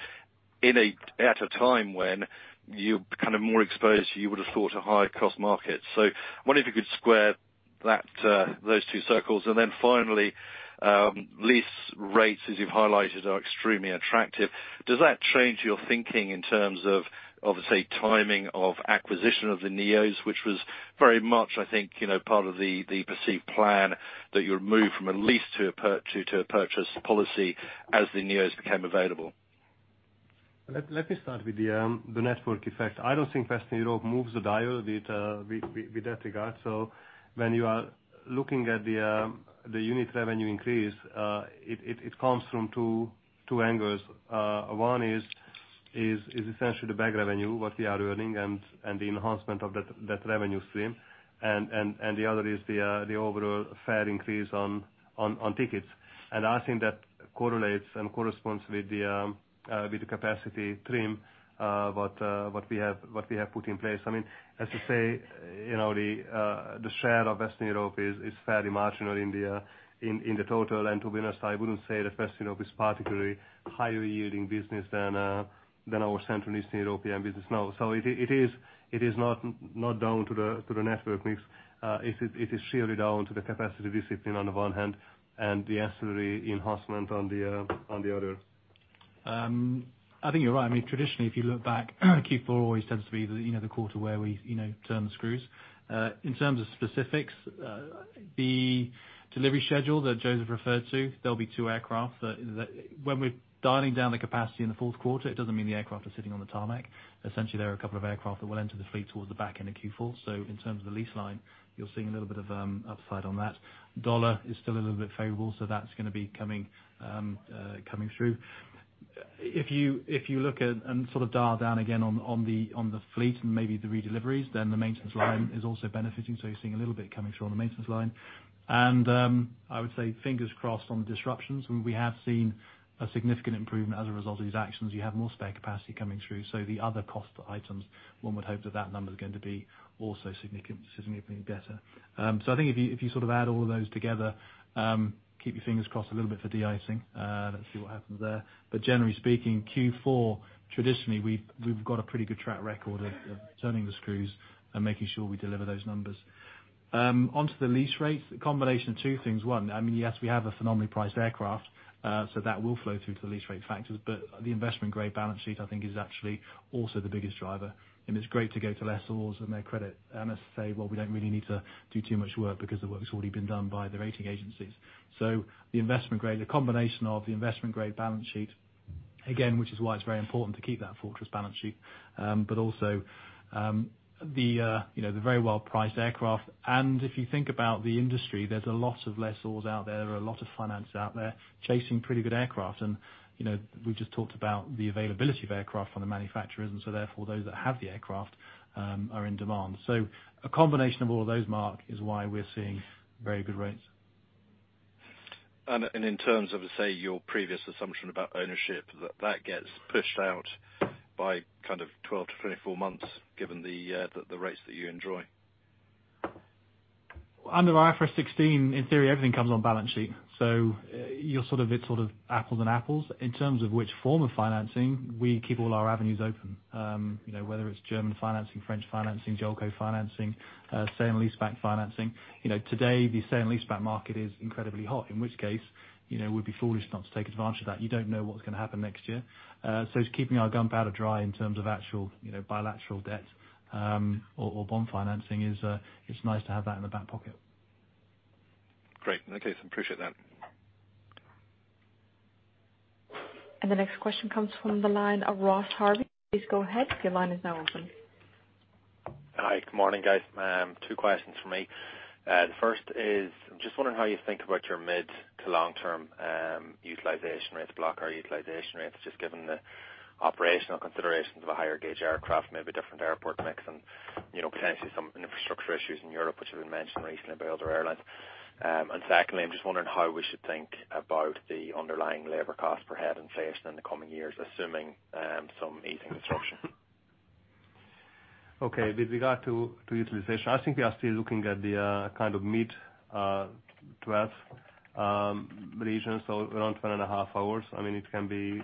at a time when you're more exposed, you would have thought, to high-cost markets. I wonder if you could square those two circles. Finally, lease rates, as you've highlighted, are extremely attractive. Does that change your thinking in terms of, say, timing of acquisition of the NEOs, which was very much, I think, part of the perceived plan that you would move from a lease to a purchase policy as the NEOs became available? Let me start with the network effect. I don't think Western Europe moves the dial with that regard. When you are looking at the unit revenue increase, it comes from two angles. One is essentially the bag revenue, what we are earning, and the enhancement of that revenue stream. The other is the overall fare increase on tickets. I think that correlates and corresponds with the capacity trim what we have put in place. As you say, the share of Western Europe is fairly marginal in the total. To be honest, I wouldn't say that Western Europe is particularly higher yielding business than our Central and Eastern European business now. It is not down to the network mix. It is purely down to the capacity discipline on the one hand, and the ancillary enhancement on the other. I think you're right. Traditionally, if you look back, Q4 always tends to be the quarter where we turn the screws. In terms of specifics, the delivery schedule that József referred to, there'll be two aircraft. When we're dialing down the capacity in the fourth quarter, it doesn't mean the aircraft are sitting on the tarmac. Essentially, there are a couple of aircraft that will enter the fleet towards the back end of Q4. In terms of the lease line, you're seeing a little bit of upside on that. USD is still a little bit favorable, that's going to be coming through. If you look at and dial down again on the fleet and maybe the redeliveries, the maintenance line is also benefiting. You're seeing a little bit coming through on the maintenance line. I would say, fingers crossed on the disruptions. We have seen a significant improvement as a result of these actions. You have more spare capacity coming through, the other cost items, one would hope that that number is going to be also significantly better. I think if you add all those together, keep your fingers crossed a little bit for de-icing. Let's see what happens there. Generally speaking, Q4, traditionally, we've got a pretty good track record of turning the screws and making sure we deliver those numbers. Onto the lease rates, a combination of two things. One, yes, we have a phenomenally priced aircraft, that will flow through to the lease rate factors. The investment-grade balance sheet, I think, is actually also the biggest driver. It's great to go to lessors and their credit and say, "Well, we don't really need to do too much work because the work's already been done by the rating agencies." The combination of the investment-grade balance sheet, again, which is why it's very important to keep that fortress balance sheet. Also the very well-priced aircraft. If you think about the industry, there's a lot of lessors out there. There are a lot of financiers out there chasing pretty good aircraft. We just talked about the availability of aircraft from the manufacturers, therefore, those that have the aircraft are in demand. A combination of all those, Mark, is why we're seeing very good rates. In terms of, say, your previous assumption about ownership, that gets pushed out by 12 to 24 months, given the rates that you enjoy. Under IFRS 16, in theory, everything comes on balance sheet. It's apples and apples. In terms of which form of financing, we keep all our avenues open, whether it's German financing, French financing, JOLCO financing, sale and leaseback financing. Today, the sale and leaseback market is incredibly hot. In which case, we'd be foolish not to take advantage of that. You don't know what's going to happen next year. It's keeping our gunpowder dry in terms of actual bilateral debt or bond financing. It's nice to have that in the back pocket. Great. In that case, appreciate that. The next question comes from the line of Ross Harvey. Please go ahead. Your line is now open. Hi. Good morning, guys. Two questions from me. The first is, I am just wondering how you think about your mid to long-term utilization rates, block hour utilization rates, just given the operational considerations of a higher gauge aircraft, maybe different airport mix and potentially some infrastructure issues in Europe, which have been mentioned recently by other airlines. Secondly, I am just wondering how we should think about the underlying labor cost per head in FY 2020 in the coming years, assuming some easing of disruption. Okay. With regard to utilization, I think we are still looking at the mid-12 region, so around 12 and a half hours. It can be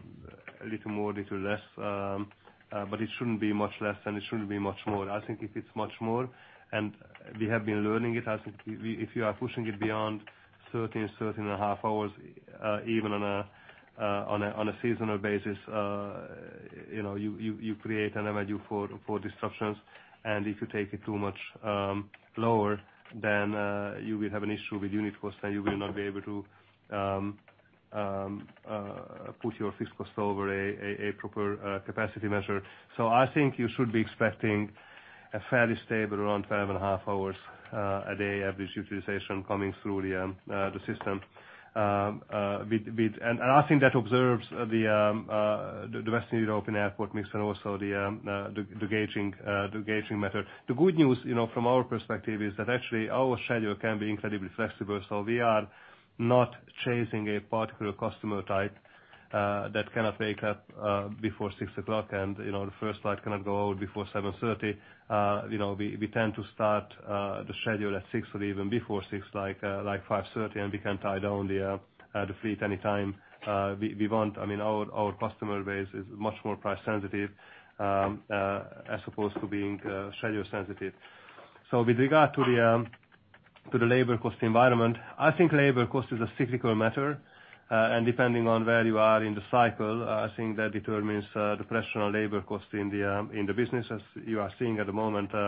a little more, little less, but it should not be much less, and it should not be much more. I think if it is much more, and we have been learning it, I think if you are pushing it beyond 13 and a half hours, even on a seasonal basis, you create an avenue for disruptions. If you take it too much lower, then you will have an issue with unit cost, and you will not be able to put your fixed cost over a proper capacity measure. I think you should be expecting a fairly stable, around 12 and a half hours a day, average utilization coming through the system. I think that observes the Western European airport mix and also the gauging method. The good news, from our perspective, is that actually our schedule can be incredibly flexible, so we are not chasing a particular customer type that cannot wake up before six o'clock and the first flight cannot go out before 7:30. We tend to start the schedule at 6:00, or even before 6:00, like 5:30, and we can tie down the fleet anytime we want. Our customer base is much more price sensitive as opposed to being schedule sensitive. With regard to the labor cost environment, I think labor cost is a cyclical matter. Depending on where you are in the cycle, I think that determines the pressure on labor cost in the business. As you are seeing at the moment, we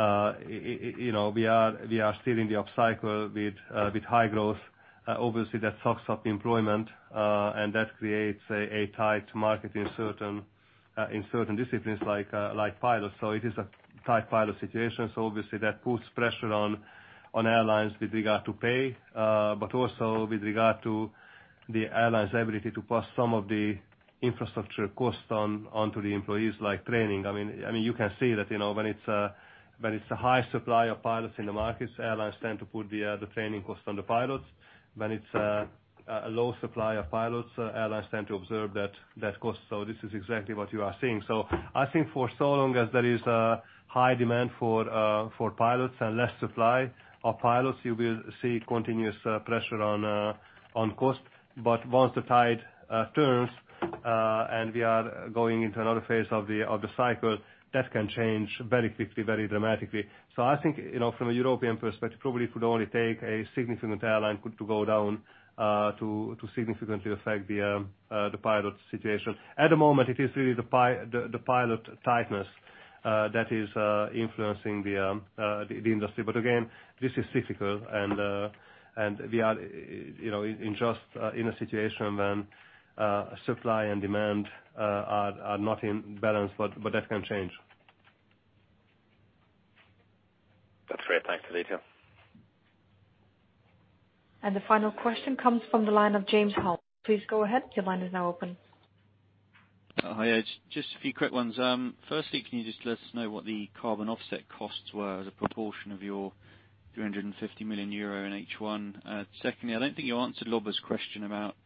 are still in the up cycle with high growth. Obviously, that sucks up employment, and that creates a tight market in certain disciplines like pilots. It is a tight pilot situation, obviously that puts pressure on airlines with regard to pay, but also with regard to the airline's ability to pass some of the infrastructure costs on to the employees, like training. You can see that when it's a high supply of pilots in the markets, airlines tend to put the training cost on the pilots. When it's a low supply of pilots, airlines tend to observe that cost. This is exactly what you are seeing. I think for so long as there is a high demand for pilots and less supply of pilots, you will see continuous pressure on cost. Once the tide turns, and we are going into another phase of the cycle, that can change very quickly, very dramatically. I think, from a European perspective, probably it would only take a significant airline to go down, to significantly affect the pilot situation. At the moment, it is really the pilot tightness that is influencing the industry. Again, this is cyclical, and we are in a situation when supply and demand are not in balance. That can change. That's great. Thanks for the detail. The final question comes from the line of James Holmes. Please go ahead. Your line is now open. Hi. Just a few quick ones. Firstly, can you just let us know what the carbon offset costs were as a proportion of your 350 million euro in H1? Secondly, I don't think you answered Lobba's question about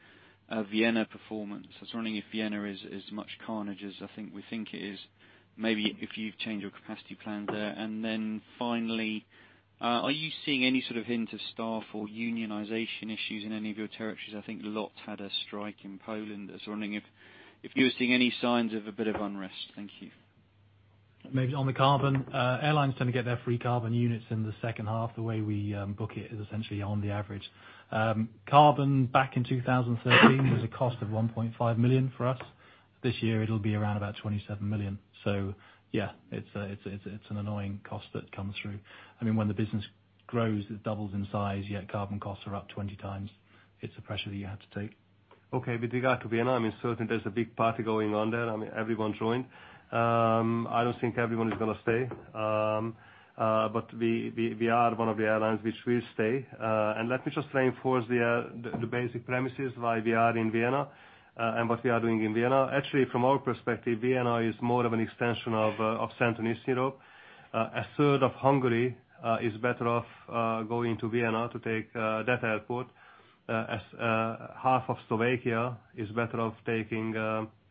Vienna performance. I was wondering if Vienna is as much carnage as I think we think it is. If you've changed your capacity plan there. Finally, are you seeing any sort of hint of staff or unionization issues in any of your territories? I think LOT had a strike in Poland. I was wondering if you were seeing any signs of a bit of unrest. Thank you. On the carbon, airlines tend to get their free carbon units in the second half. The way we book it is essentially on the average. Carbon, back in 2013, was a cost of 1.5 million for us. This year it'll be around about 27 million. It's an annoying cost that comes through. When the business grows, it doubles in size, yet carbon costs are up 20 times. It's a pressure that you have to take. With regard to Vienna, certainly there's a big party going on there. Everyone joined. I don't think everyone is going to stay. We are one of the airlines which will stay. Let me just reinforce the basic premises why we are in Vienna and what we are doing in Vienna. Actually, from our perspective, Vienna is more of an extension of Central and Eastern Europe. A third of Hungary is better off going to Vienna to take that airport. As half of Slovakia is better off taking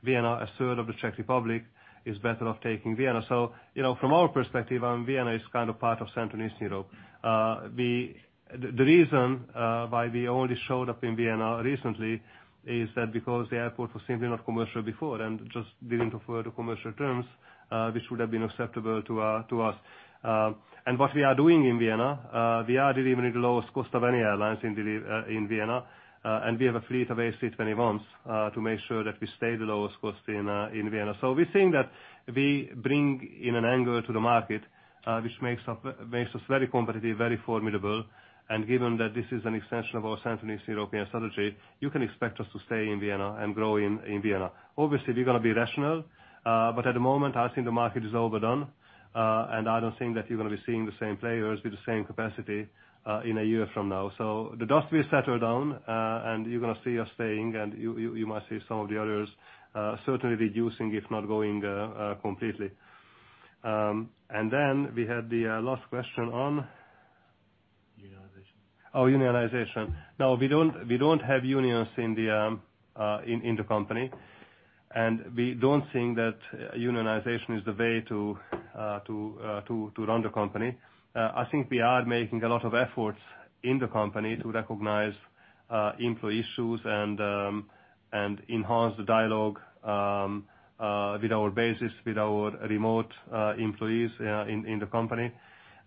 Vienna. A third of the Czech Republic is better off taking Vienna. From our perspective, Vienna is kind of part of Central and Eastern Europe. The reason why we only showed up in Vienna recently is that because the airport was simply not commercial before, and just didn't offer the commercial terms which would have been acceptable to us. What we are doing in Vienna, we are delivering the lowest cost of any airlines in Vienna. We have a fleet of A321s to make sure that we stay the lowest cost in Vienna. We think that we bring in an angle to the market, which makes us very competitive, very formidable. Given that this is an extension of our Central and Eastern European strategy, you can expect us to stay in Vienna and grow in Vienna. Obviously, we're going to be rational. At the moment, I think the market is overdone. I don't think that you're going to be seeing the same players with the same capacity in a year from now. The dust will settle down, and you're going to see us staying, and you might see some of the others certainly reducing, if not going completely. we had the last question on? Unionization. Unionization. No, we don't have unions in the company. We don't think that unionization is the way to run the company. I think we are making a lot of efforts in the company to recognize employee issues and enhance the dialogue with our bases, with our remote employees in the company.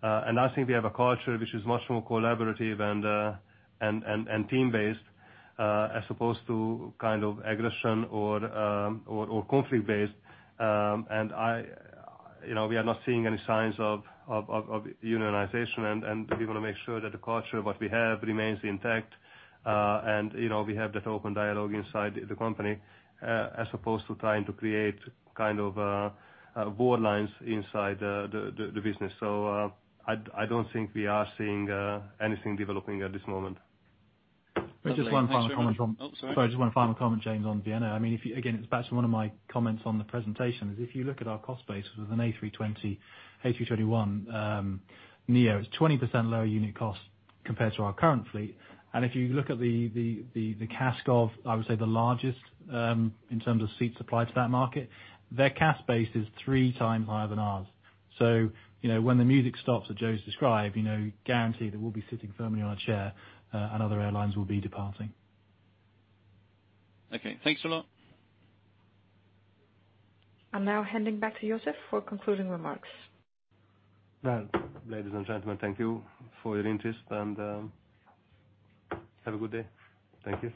I think we have a culture which is much more collaborative and team-based, as opposed to kind of aggression- or conflict-based. We are not seeing any signs of unionization, and we want to make sure that the culture what we have remains intact. We have that open dialogue inside the company as opposed to trying to create kind of board lines inside the business. I don't think we are seeing anything developing at this moment. Just one final comment on- Sorry. Just one final comment, James, on Vienna. It's back to one of my comments on the presentation, is if you look at our cost base with an Airbus A320, Airbus A321neo, it's 20% lower unit cost compared to our current fleet. If you look at the CASK of, I would say, the largest in terms of seat supply to that market, their CASK base is three times higher than ours. When the music stops, as József's described, guaranteed that we'll be sitting firmly on our chair and other airlines will be departing. Okay. Thanks a lot. I'm now handing back to József for concluding remarks. Well, ladies and gentlemen, thank you for your interest, have a good day. Thank you.